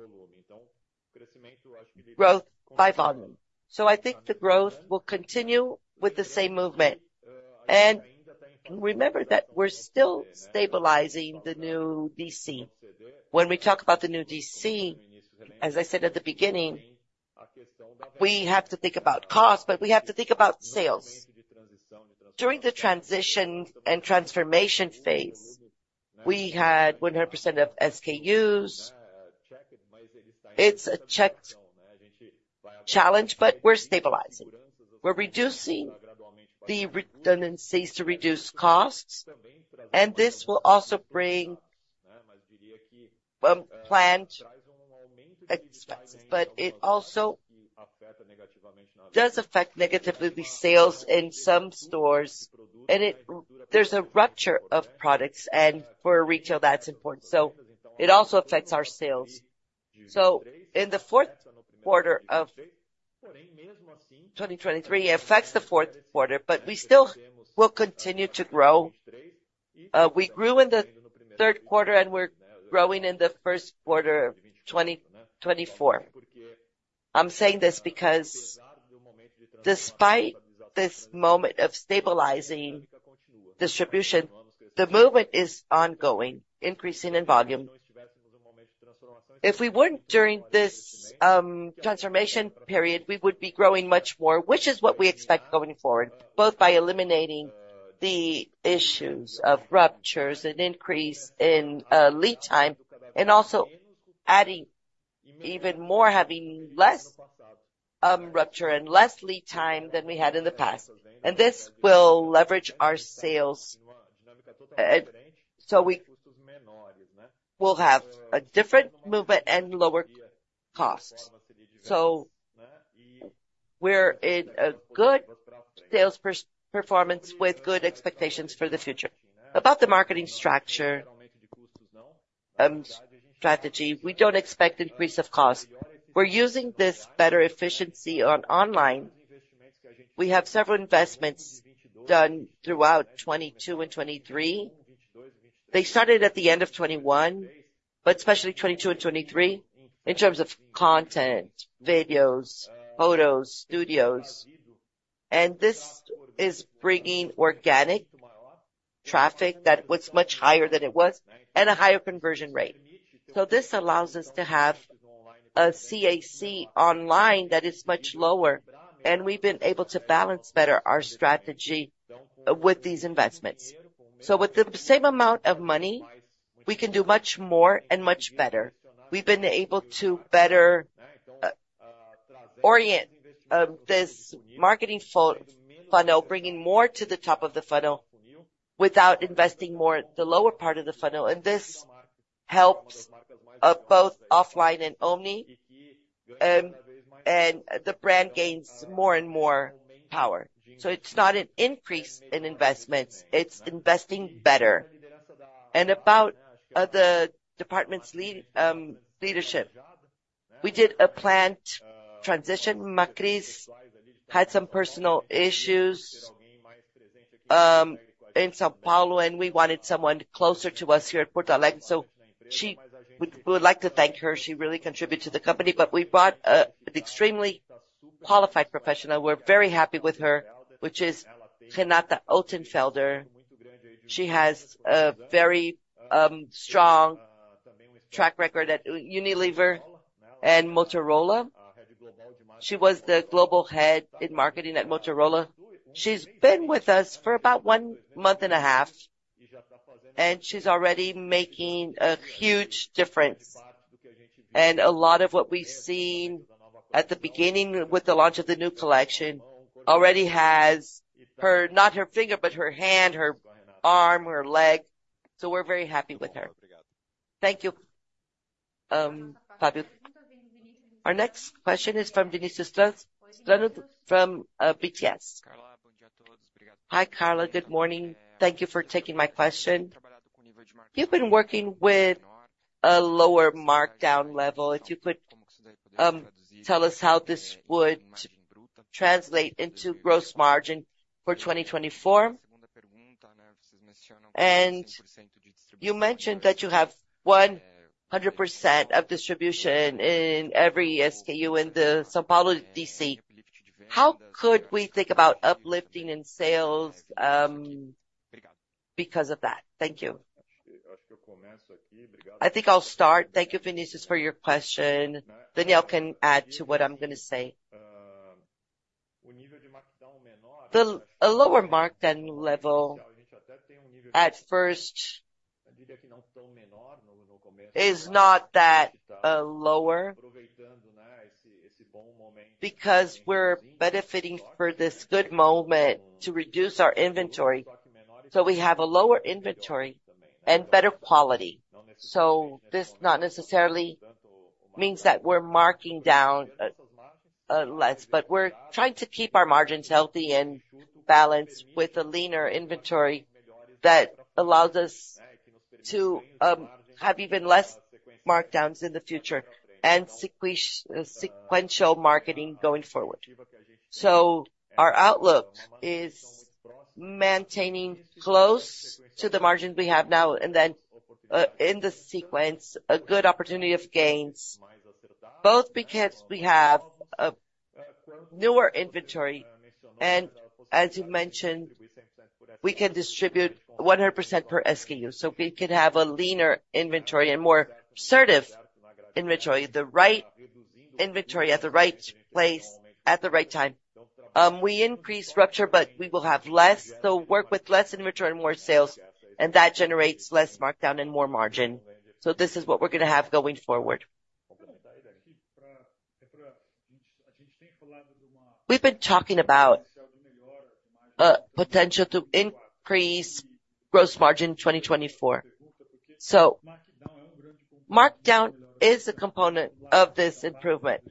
growth by volume. So I think the growth will continue with the same movement. And remember that we're still stabilizing the new DC. When we talk about the new DC, as I said at the beginning, we have to think about cost, but we have to think about sales. During the transition and transformation phase, we had 100% of SKUs. It's a heck of a challenge, but we're stabilizing. We're reducing the redundancies to reduce costs, and this will also bring expenses, but it also does affect negatively the sales in some stores. There's a rupture of products, and for retail, that's important. So it also affects our sales. In the fourth quarter of 2023, it affects the fourth quarter, but we still will continue to grow. We grew in the third quarter, and we're growing in the first quarter of 2024. I'm saying this because despite this moment of stabilizing distribution, the movement is ongoing, increasing in volume. If we weren't during this transformation period, we would be growing much more, which is what we expect going forward, both by eliminating the issues of ruptures and increase in lead time and also having less rupture and less lead time than we had in the past. This will leverage our sales. We'll have a different movement and lower costs. So we're in good sales performance with good expectations for the future. About the marketing strategy, we don't expect increase of cost. We're using this better efficiency online. We have several investments done throughout 2022 and 2023. They started at the end of 2021, but especially 2022 and 2023 in terms of content, videos, photos, studios. And this is bringing organic traffic that was much higher than it was and a higher conversion rate. This allows us to have a CAC online that is much lower, and we've been able to balance better our strategy with these investments. So with the same amount of money, we can do much more and much better. We've been able to better orient this marketing funnel, bringing more to the top of the funnel without investing more at the lower part of the funnel. This helps both offline and omni, and the brand gains more and more power. So it's not an increase in investments. It's investing better. And about the department's leadership, we did a planned transition. Macruz had some personal issues in São Paulo, and we wanted someone closer to us here at Porto Alegre. So we would like to thank her. She really contributed to the company, but we brought an extremely qualified professional. We're very happy with her, which is Renata Altenfelder. She has a very strong track record at Unilever and Motorola. She was the global head in marketing at Motorola. She's been with us for about one month and a half, and she's already making a huge difference. And a lot of what we've seen at the beginning with the launch of the new collection already has not her finger, but her hand, her arm, her leg. We're very happy with her. Thank you, Fabio. Our next question is from Vinicius Strano from UBS BB. Hi, Carla. Good morning. Thank you for taking my question. If you've been working with a lower markdown level, if you could tell us how this would translate into gross margin for 2024. And you mentioned that you have 100% of distribution in every SKU in the São Paulo DC. How could we think about uplifting in sales because of that? Thank you. I think I'll start. Thank you, Vinícius, for your question. Daniel can add to what I'm going to say. A lower markdown level at first, I'd say that's not that lower, because we're benefiting from this good moment to reduce our inventory. So we have a lower inventory and better quality. This not necessarily means that we're marking down less, but we're trying to keep our margins healthy and balanced with a leaner inventory that allows us to have even less markdowns in the future and sequential markdowning going forward. So our outlook is maintaining close to the margins we have now, and then sequentially, a good opportunity of gains, both because we have a newer inventory. And as you mentioned, we can distribute 100% per SKU. We can have a leaner inventory and more assertive inventory, the right inventory at the right place at the right time. We decrease rupture, but we will have less. So work with less inventory and more sales, and that generates less markdown and more margin. So this is what we're going to have going forward. We've been talking about the potential to increase gross margin in 2024. Markdown is a component of this improvement,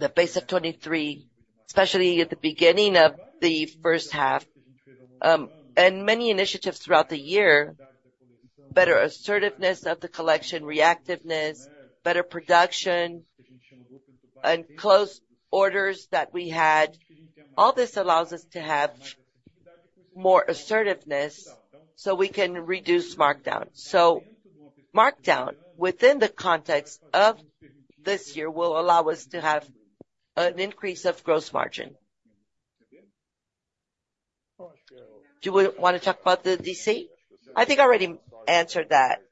the base of 2023, especially at the beginning of the first half, and many initiatives throughout the year, better assertiveness of the collection, reactiveness, better production, and close orders that we had. All this allows us to have more assertiveness so we can reduce markdown. So markdown within the context of this year will allow us to have an increase of gross margin. Do you want to talk about the DC? I think I already answered that.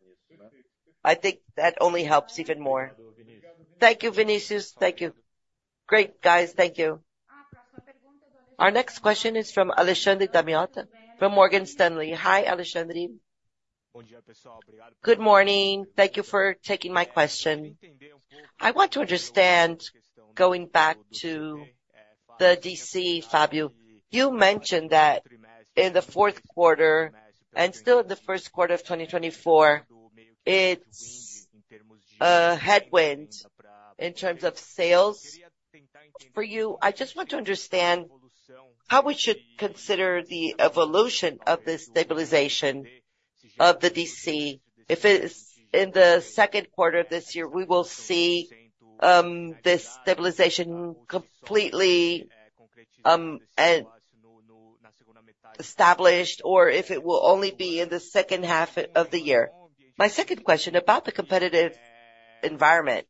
I think that only helps even more. Thank you, Vinicius. Thank you. Great, guys. Thank you. Our next question is from Alexandre Damioli from Morgan Stanley. Hi, Alexandre. Good morning. Thank you for taking my question. I want to understand, going back to the DC, Fabio, you mentioned that in the fourth quarter and still in the first quarter of 2024, it's a headwind in terms of sales for you. I just want to understand how we should consider the evolution of the stabilization of the DC. If it's in the second quarter of this year, we will see this stabilization completely established, or if it will only be in the second half of the year. My second question about the competitive environment,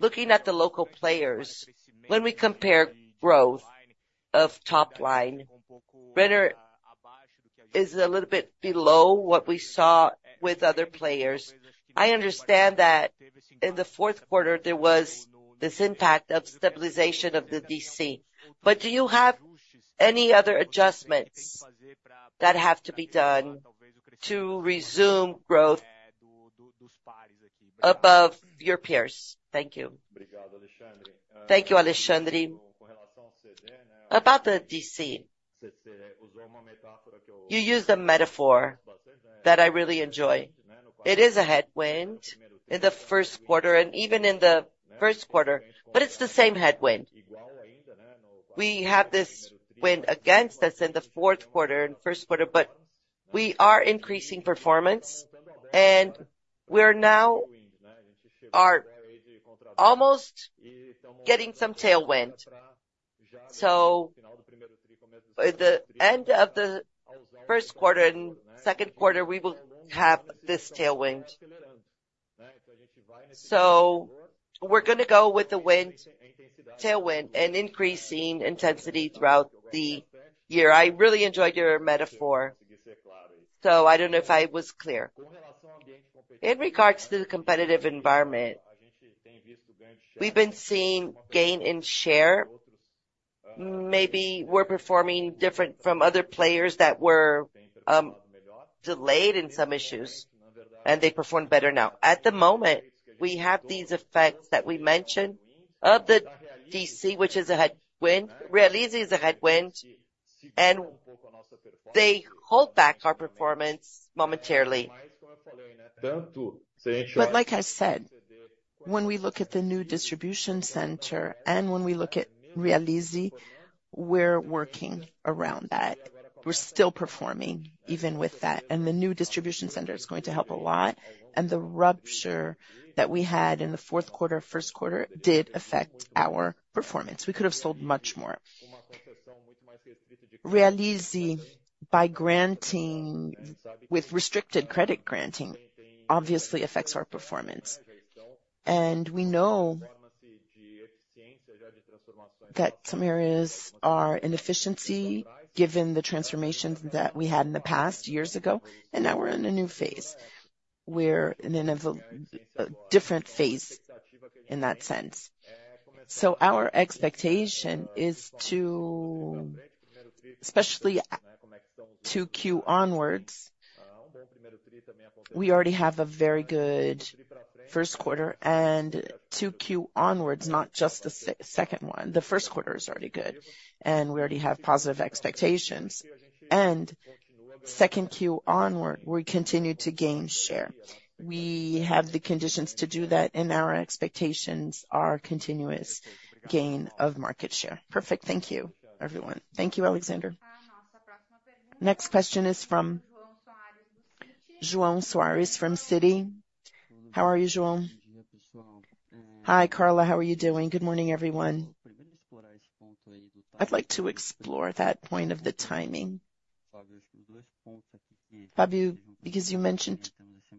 looking at the local players, when we compare growth of top line, Renner is a little bit below what we saw with other players. I understand that in the fourth quarter, there was this impact of stabilization of the DC. But do you have any other adjustments that have to be done to resume growth above your peers? Thank you. Thank you, Alexandre. About the DC, you used a metaphor that I really enjoy. It is a headwind in the first quarter and even in the first quarter, but it's the same headwind. We have this wind against us in the fourth quarter and first quarter, but we are increasing performance, and we are now almost getting some tailwind. So at the end of the first quarter and second quarter, we will have this tailwind. We're going to go with the tailwind and increasing intensity throughout the year. I really enjoyed your metaphor. So I don't know if I was clear. In regards to the competitive environment, we've been seeing gain in share. Maybe we're performing different from other players that were delayed in some issues, and they performed better now. At the moment, we have these effects that we mentioned of the DC, which is a headwind. Realize is a headwind, and they hold back our performance momentarily. But like I said, when we look at the new distribution center and when we look at Realize, we're working around that. We're still performing even with that. And the new distribution center is going to help a lot. And the rupture that we had in the fourth quarter, first quarter did affect our performance. We could have sold much more. Realize, by granting with restricted credit granting, obviously affects our performance. And we know that some areas are inefficiency given the transformations that we had in the past years ago, and now we're in a new phase. We're in a different phase in that sense. So our expectation is especially 2Q onwards. We already have a very good first quarter, and 2Q onwards, not just the second one. The first quarter is already good, and we already have positive expectations. Second Q onward, we continue to gain share. We have the conditions to do that, and our expectations are continuous gain of market share. Perfect. Thank you, everyone. Thank you, Alexandre. Next question is from João Soares from Citi. How are you, João? Hi, Carla. How are you doing? Good morning, everyone. I'd like to explore that point of the timing, Fabio, because you mentioned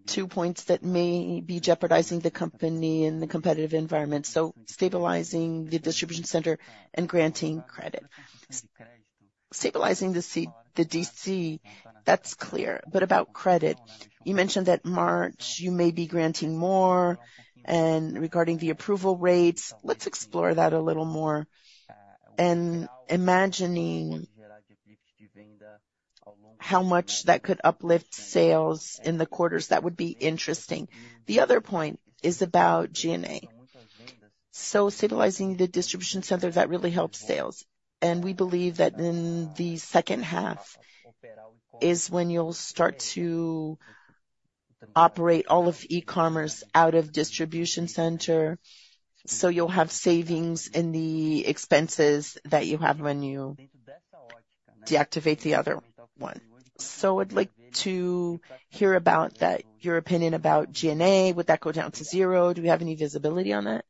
two points that may be jeopardizing the company and the competitive environment. So stabilizing the distribution center and granting credit. Stabilizing the DC, that's clear. But about credit, you mentioned that March, you may be granting more. And regarding the approval rates, let's explore that a little more. And imagining how much that could uplift sales in the quarters, that would be interesting. The other point is about SG&A. Stabilizing the distribution center, that really helps sales. And we believe that in the second half is when you'll start to operate all of e-commerce out of distribution center. So you'll have savings in the expenses that you have when you deactivate the other one. So I'd like to hear about your opinion about SG&A. Would that go down to zero? Do we have any visibility on that?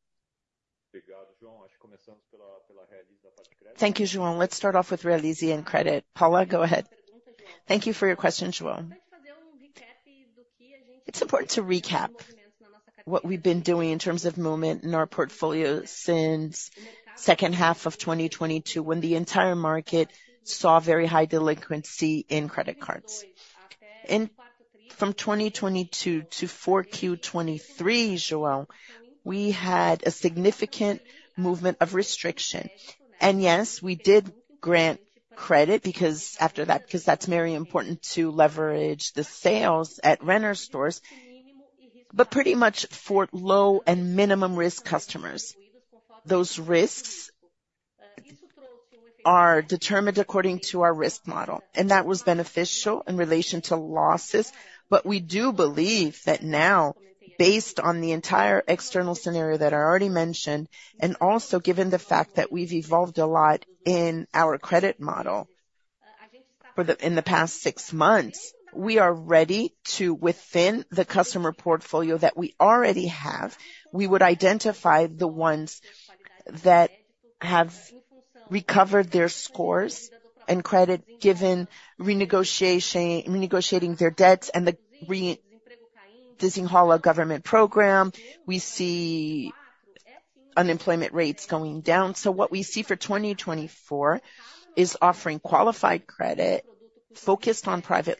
Thank you, João. Let's start off with Realize and credit. Paula, go ahead. Thank you for your question, João. It's important to recap what we've been doing in terms of movement in our portfolio since the second half of 2022 when the entire market saw very high delinquency in credit cards. And from 2022 to 4Q23, João, we had a significant movement of restriction. Yes, we did grant credit because that's very important to leverage the sales at Renner stores, but pretty much for low and minimum risk customers. Those risks are determined according to our risk model. That was beneficial in relation to losses. We do believe that now, based on the entire external scenario that I already mentioned, and also given the fact that we've evolved a lot in our credit model in the past six months, we are ready to, within the customer portfolio that we already have, we would identify the ones that have recovered their scores and credit given renegotiating their debts and the Desenrola government program. We see unemployment rates going down. What we see for 2024 is offering qualified credit focused on Private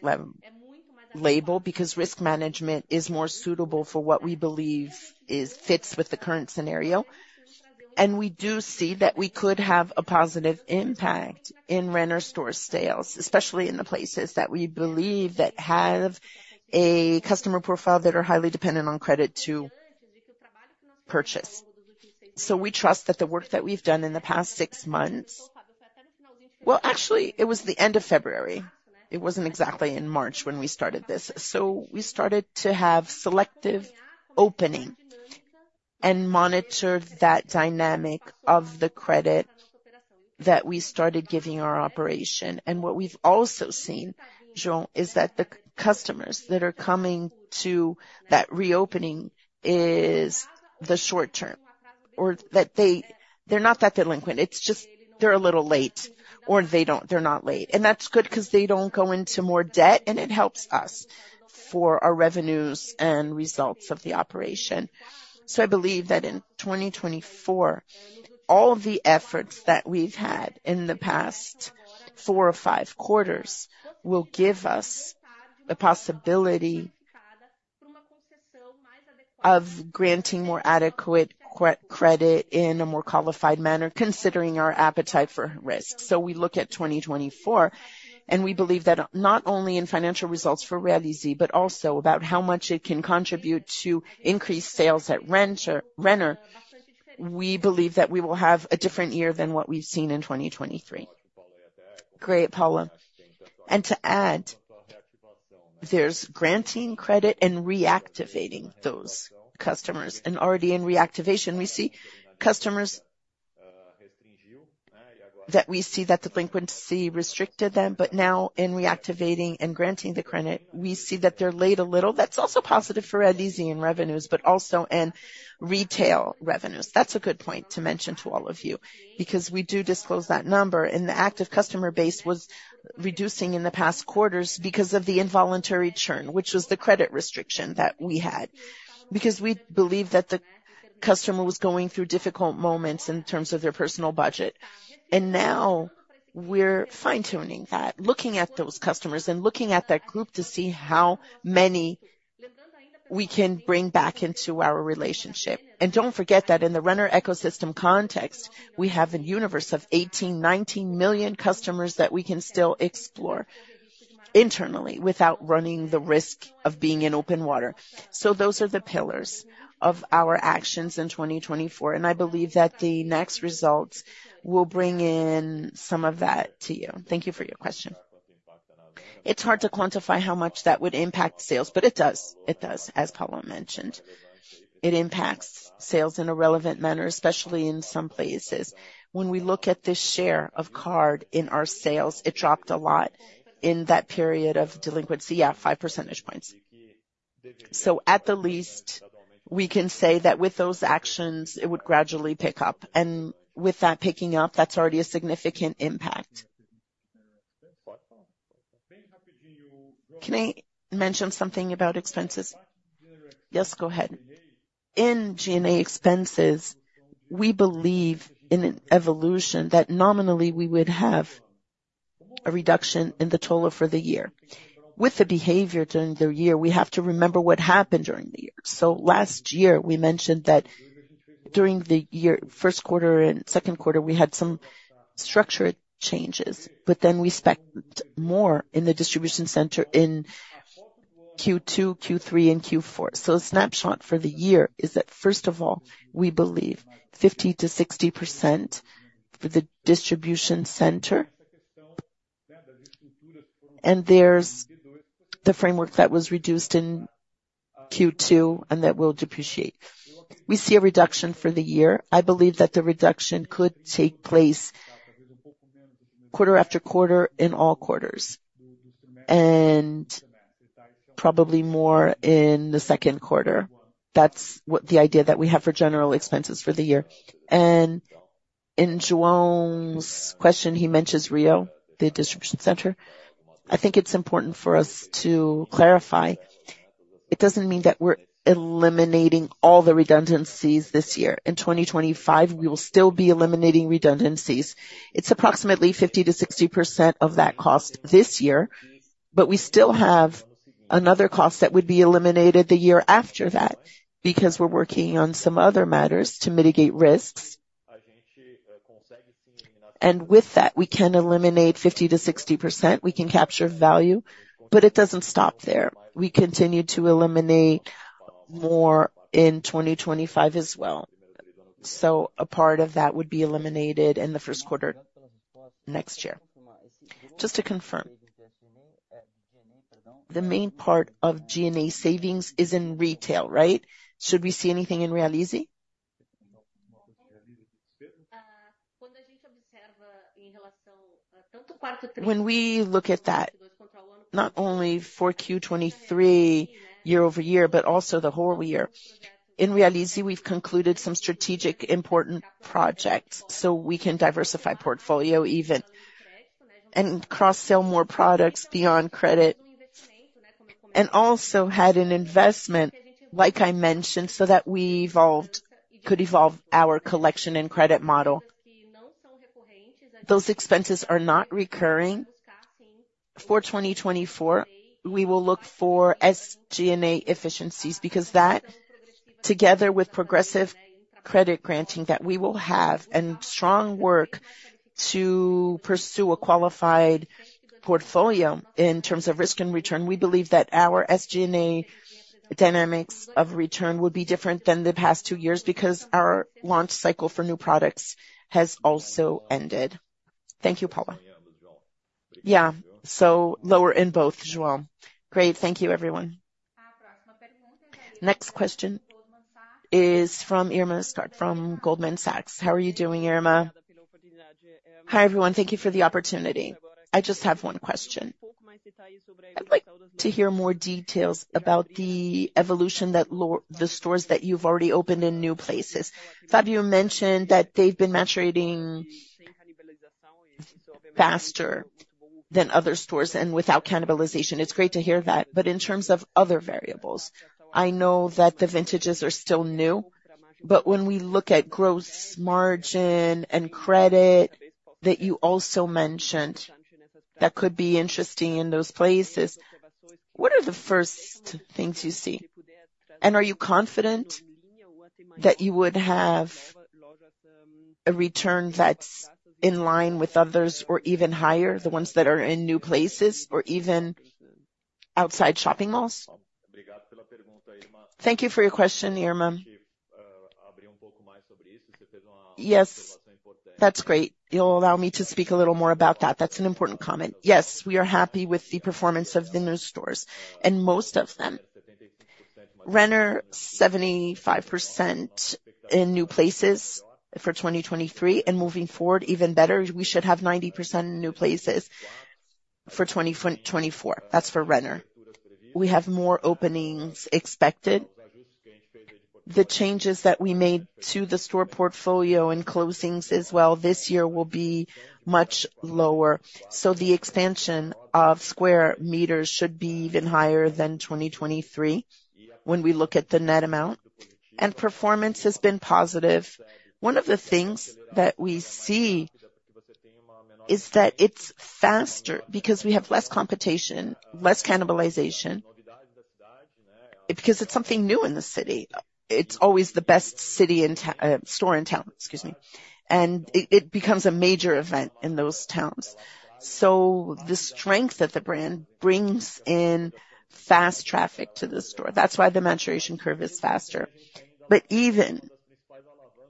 Label because risk management is more suitable for what we believe fits with the current scenario. We do see that we could have a positive impact in Renner store sales, especially in the places that we believe that have a customer profile that are highly dependent on credit to purchase. So we trust that the work that we've done in the past six months. Well, actually, it was the end of February. It wasn't exactly in March when we started this. We started to have selective opening and monitor that dynamic of the credit that we started giving our operation. And what we've also seen, João, is that the customers that are coming to that reopening is the short-term, or they're not that delinquent. It's just they're a little late, or they're not late. And that's good because they don't go into more debt, and it helps us for our revenues and results of the operation. I believe that in 2024, all the efforts that we've had in the past four or five quarters will give us the possibility of granting more adequate credit in a more qualified manner, considering our appetite for risk. So we look at 2024, and we believe that not only in financial results for Realize, but also about how much it can contribute to increased sales at Renner, we believe that we will have a different year than what we've seen in 2023. Great, Paula. And to add, there's granting credit and reactivating those customers. And already in reactivation, we see customers that we see that delinquency restricted them. But now in reactivating and granting the credit, we see that they're late a little. That's also positive for Realize and revenues, but also in retail revenues. That's a good point to mention to all of you because we do disclose that number. The active customer base was reducing in the past quarters because of the involuntary churn, which was the credit restriction that we had. Because we believe that the customer was going through difficult moments in terms of their personal budget. Now we're fine-tuning that, looking at those customers and looking at that group to see how many we can bring back into our relationship. Don't forget that in the Renner ecosystem context, we have a universe of 18-19 million customers that we can still explore internally without running the risk of being in open water. So those are the pillars of our actions in 2024. I believe that the next results will bring in some of that to you. Thank you for your question. It's hard to quantify how much that would impact sales, but it does. It does, as Paula mentioned. It impacts sales in a relevant manner, especially in some places. When we look at this share of card in our sales, it dropped a lot in that period of delinquency. Yeah, 5 percentage points. At the least, we can say that with those actions, it would gradually pick up. And with that picking up, that's already a significant impact. Can I mention something about expenses? Yes, go ahead. In SG&A expenses, we believe in an evolution that nominally, we would have a reduction in the total for the year. With the behavior during the year, we have to remember what happened during the year. Last year, we mentioned that during the first quarter and second quarter, we had some structured changes, but then we spent more in the distribution center in Q2, Q3, and Q4. So a snapshot for the year is that, first of all, we believe 50%-60% for the distribution center. And there's the framework that was reduced in Q2 and that will depreciate. We see a reduction for the year. I believe that the reduction could take place quarter after quarter in all quarters and probably more in the second quarter. That's the idea that we have for general expenses for the year. And in João's question, he mentions Rio, the distribution center. I think it's important for us to clarify. It doesn't mean that we're eliminating all the redundancies this year. In 2025, we will still be eliminating redundancies. It's approximately 50%-60% of that cost this year, but we still have another cost that would be eliminated the year after that because we're working on some other matters to mitigate risks. With that, we can eliminate 50%-60%. We can capture value, but it doesn't stop there. We continue to eliminate more in 2025 as well. So a part of that would be eliminated in the first quarter next year. Just to confirm, the main part of SG&A savings is in retail, right? Should we see anything in Realize? When we look at that, not only 4Q23 year-over-year, but also the whole year, in Realize, we've concluded some strategic important projects so we can diversify portfolio even and cross-sell more products beyond credit. And also had an investment, like I mentioned, so that we could evolve our collection and credit model. Those expenses are not recurring. For 2024, we will look for SG&A efficiencies because that, together with progressive credit granting that we will have and strong work to pursue a qualified portfolio in terms of risk and return, we believe that our SG&A dynamics of return would be different than the past two years because our launch cycle for new products has also ended. Thank you, Paula. Yeah. So. Lower in both, João. Great. Thank you, everyone. Next question is from Irma from Goldman Sachs. How are you doing, Irma? Hi, everyone. Thank you for the opportunity. I just have one question. I'd like to hear more details about the evolution that the stores that you've already opened in new places. Fabio mentioned that they've been maturating faster than other stores and without cannibalization. It's great to hear that. In terms of other variables, I know that the vintages are still new, but when we look at gross margin and credit that you also mentioned that could be interesting in those places, what are the first things you see? And are you confident that you would have a return that's in line with others or even higher, the ones that are in new places or even outside shopping malls? Thank you for your question, Irma. Yes, that's great. You'll allow me to speak a little more about that. That's an important comment. Yes, we are happy with the performance of the new stores. And most of them. Renner, 75% in new places for 2023. And moving forward, even better, we should have 90% in new places for 2024. That's for Renner. We have more openings expected. The changes that we made to the store portfolio and closings as well this year will be much lower. So the expansion of square meters should be even higher than 2023 when we look at the net amount. Performance has been positive. One of the things that we see is that it's faster because we have less competition, less cannibalization because it's something new in the city. It's always the best store in town. Excuse me. It becomes a major event in those towns. So the strength that the brand brings in fast traffic to the store. That's why the maturation curve is faster. But even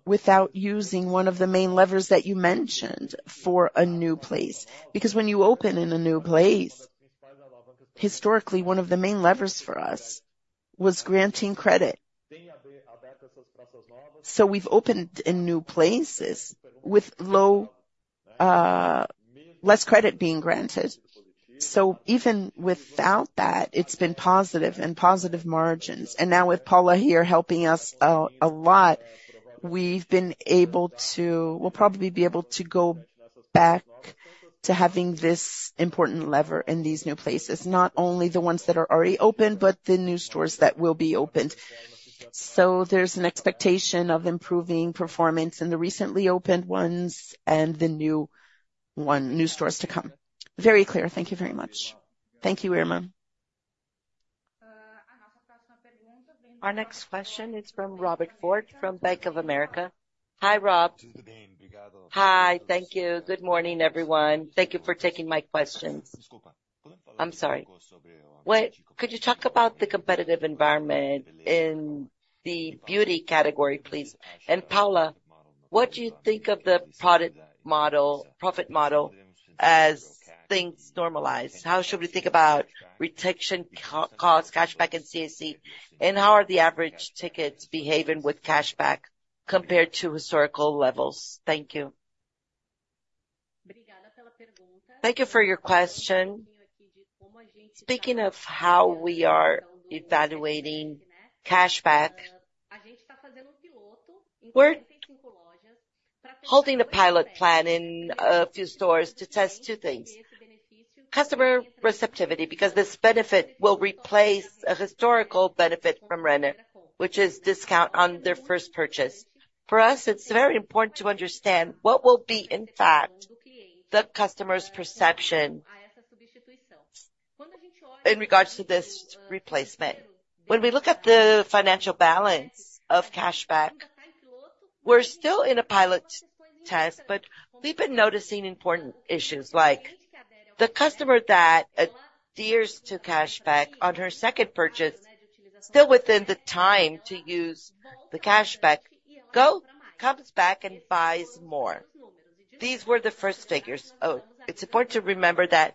without using one of the main levers that you mentioned for a new place because when you open in a new place, historically, one of the main levers for us was granting credit. We've opened in new places with less credit being granted. So even without that, it's been positive and positive margins. And now with Paula here helping us a lot, we've been able to. We'll probably be able to go back to having this important lever in these new places, not only the ones that are already open, but the new stores that will be opened. So there's an expectation of improving performance in the recently opened ones and the new stores to come. Very clear. Thank you very much. Thank you, Irma. Our next question is from Robert Ford from Bank of America. Hi, Rob. Hi. Thank you. Good morning, everyone. Thank you for taking my questions. I'm sorry. Could you talk about the competitive environment in the beauty category, please? And Paula, what do you think of the profit model as things normalize? How should we think about retention costs, cashback, and CAC? And how are the average tickets behaving with cashback compared to historical levels? Thank you. Thank you for your question. Speaking of how we are evaluating cashback, holding a pilot plan in a few stores to test two things: customer receptivity, because this benefit will replace a historical benefit from Renner, which is discount on their first purchase. For us, it's very important to understand what will be, in fact, the customer's perception in regards to this replacement. When we look at the financial balance of cashback, we're still in a pilot test, but we've been noticing important issues. Like the customer that adheres to cashback on her second purchase, still within the time to use the cashback, comes back and buys more. These were the first figures. Oh, it's important to remember that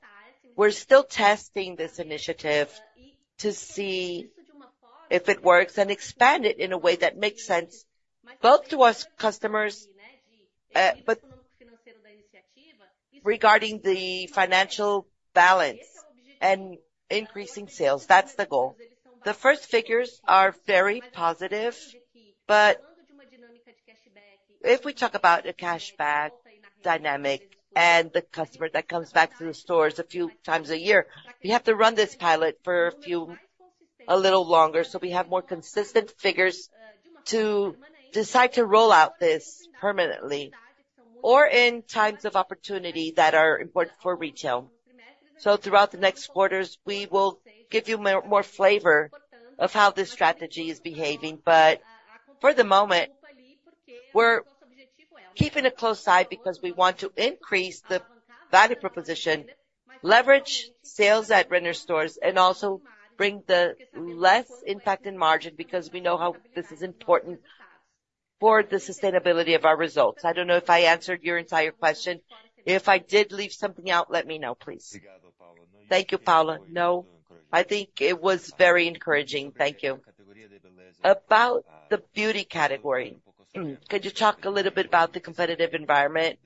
we're still testing this initiative to see if it works and expand it in a way that makes sense both to us customers regarding the financial balance and increasing sales. That's the goal. The first figures are very positive, but if we talk about a cashback dynamic and the customer that comes back to the stores a few times a year, we have to run this pilot for a little longer so we have more consistent figures to decide to roll out this permanently or in times of opportunity that are important for retail. So throughout the next quarters, we will give you more flavor of how this strategy is behaving. But for the moment, we're keeping a close eye because we want to increase the value proposition, leverage sales at Renner stores, and also bring the less impacted margin because we know how this is important for the sustainability of our results. I don't know if I answered your entire question. If I did leave something out, let me know, please. Thank you, Paula. No, I think it was very encouraging. Thank you. About the beauty category, could you talk a little bit about the competitive environment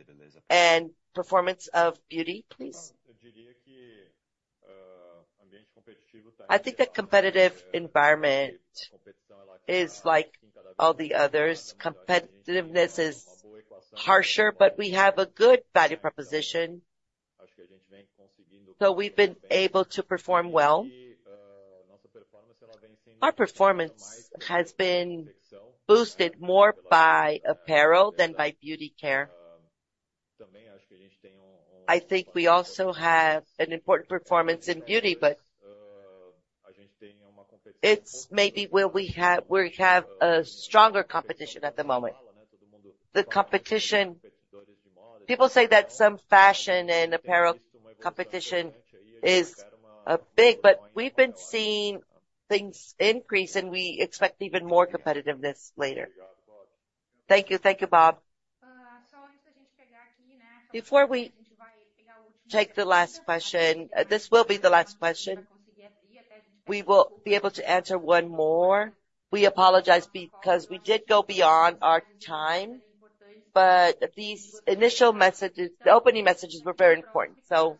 and performance of beauty, please? I think the competitive environment is like all the others. Competitiveness is harsher, but we have a good value proposition. So we've been able to perform well. Our performance has been boosted more by apparel than by beauty care. I think we also have an important performance in beauty, but it's maybe where we have a stronger competition at the moment. People say that some fashion and apparel competition is big, but we've been seeing things increase, and we expect even more competitiveness later. Thank you. Thank you, Bob. Before we take the last question, this will be the last question. We will be able to answer one more. We apologize because we did go beyond our time, but these initial opening messages were very important. So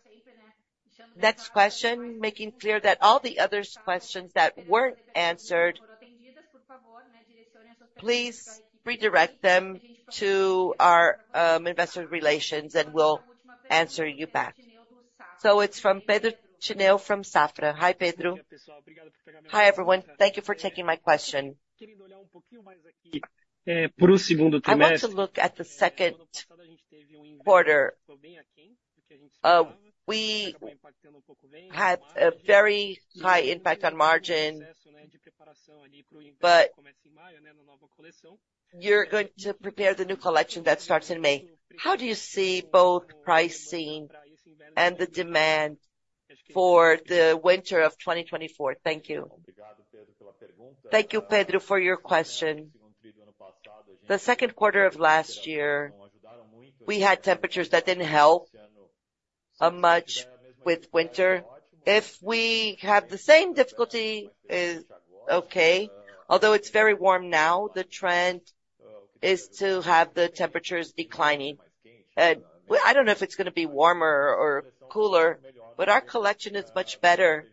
next question, making clear that all the other questions that weren't answered, please redirect them to our investor relations, and we'll answer you back. So it's from Pedro Tineo from Safra. Hi, Pedro. Hi, everyone. Thank you for taking my question. We had a very high impact on margin. But you're going to prepare the new collection that starts in May. How do you see both pricing and the demand for the winter of 2024? Thank you. Thank you, Pedro, for your question. The second quarter of last year, we had temperatures that didn't help much with winter. If we have the same difficulty, okay. Although it's very warm now, the trend is to have the temperatures declining. I don't know if it's going to be warmer or cooler, but our collection is much better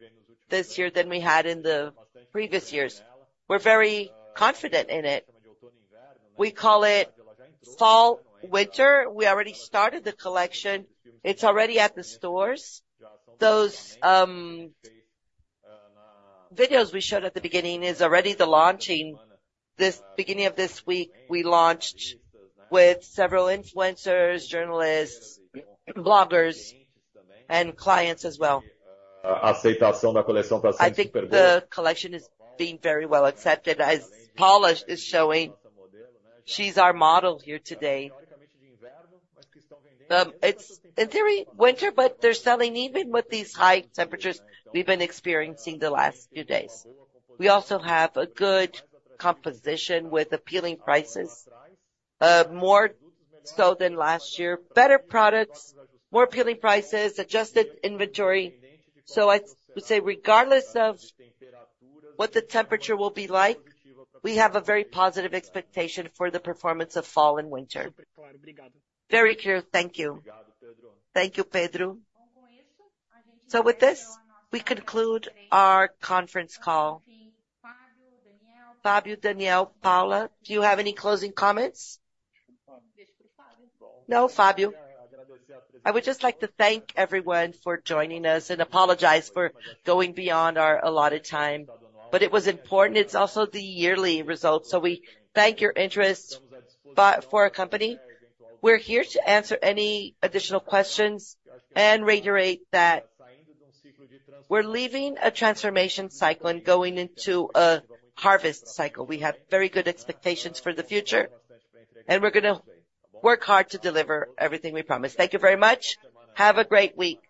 this year than we had in the previous years. We're very confident in it. We call it fall-winter. We already started the collection. It's already at the stores. Those videos we showed at the beginning are already the launching. The beginning of this week, we launched with several influencers, journalists, bloggers, and clients as well. I think the collection is being very well accepted, as Paula is showing. She's our model here today. It's, in theory, winter, but they're selling even with these high temperatures we've been experiencing the last few days. We also have a good composition with appealing prices, more so than last year, better products, more appealing prices, adjusted inventory. So I would say, regardless of what the temperature will be like, we have a very positive expectation for the performance of fall and winter. Very clear. Thank you. Thank you, Pedro. So with this, we conclude our conference call. Fabio, Daniel, Paula, do you have any closing comments? No, Fabio. I would just like to thank everyone for joining us and apologize for going beyond our allotted time. But it was important. It's also the yearly results. So we thank your interest for our company. We're here to answer any additional questions and reiterate that we're leaving a transformation cycle and going into a harvest cycle. We have very good expectations for the future, and we're going to work hard to deliver everything we promise. Thank you very much. Have a great week.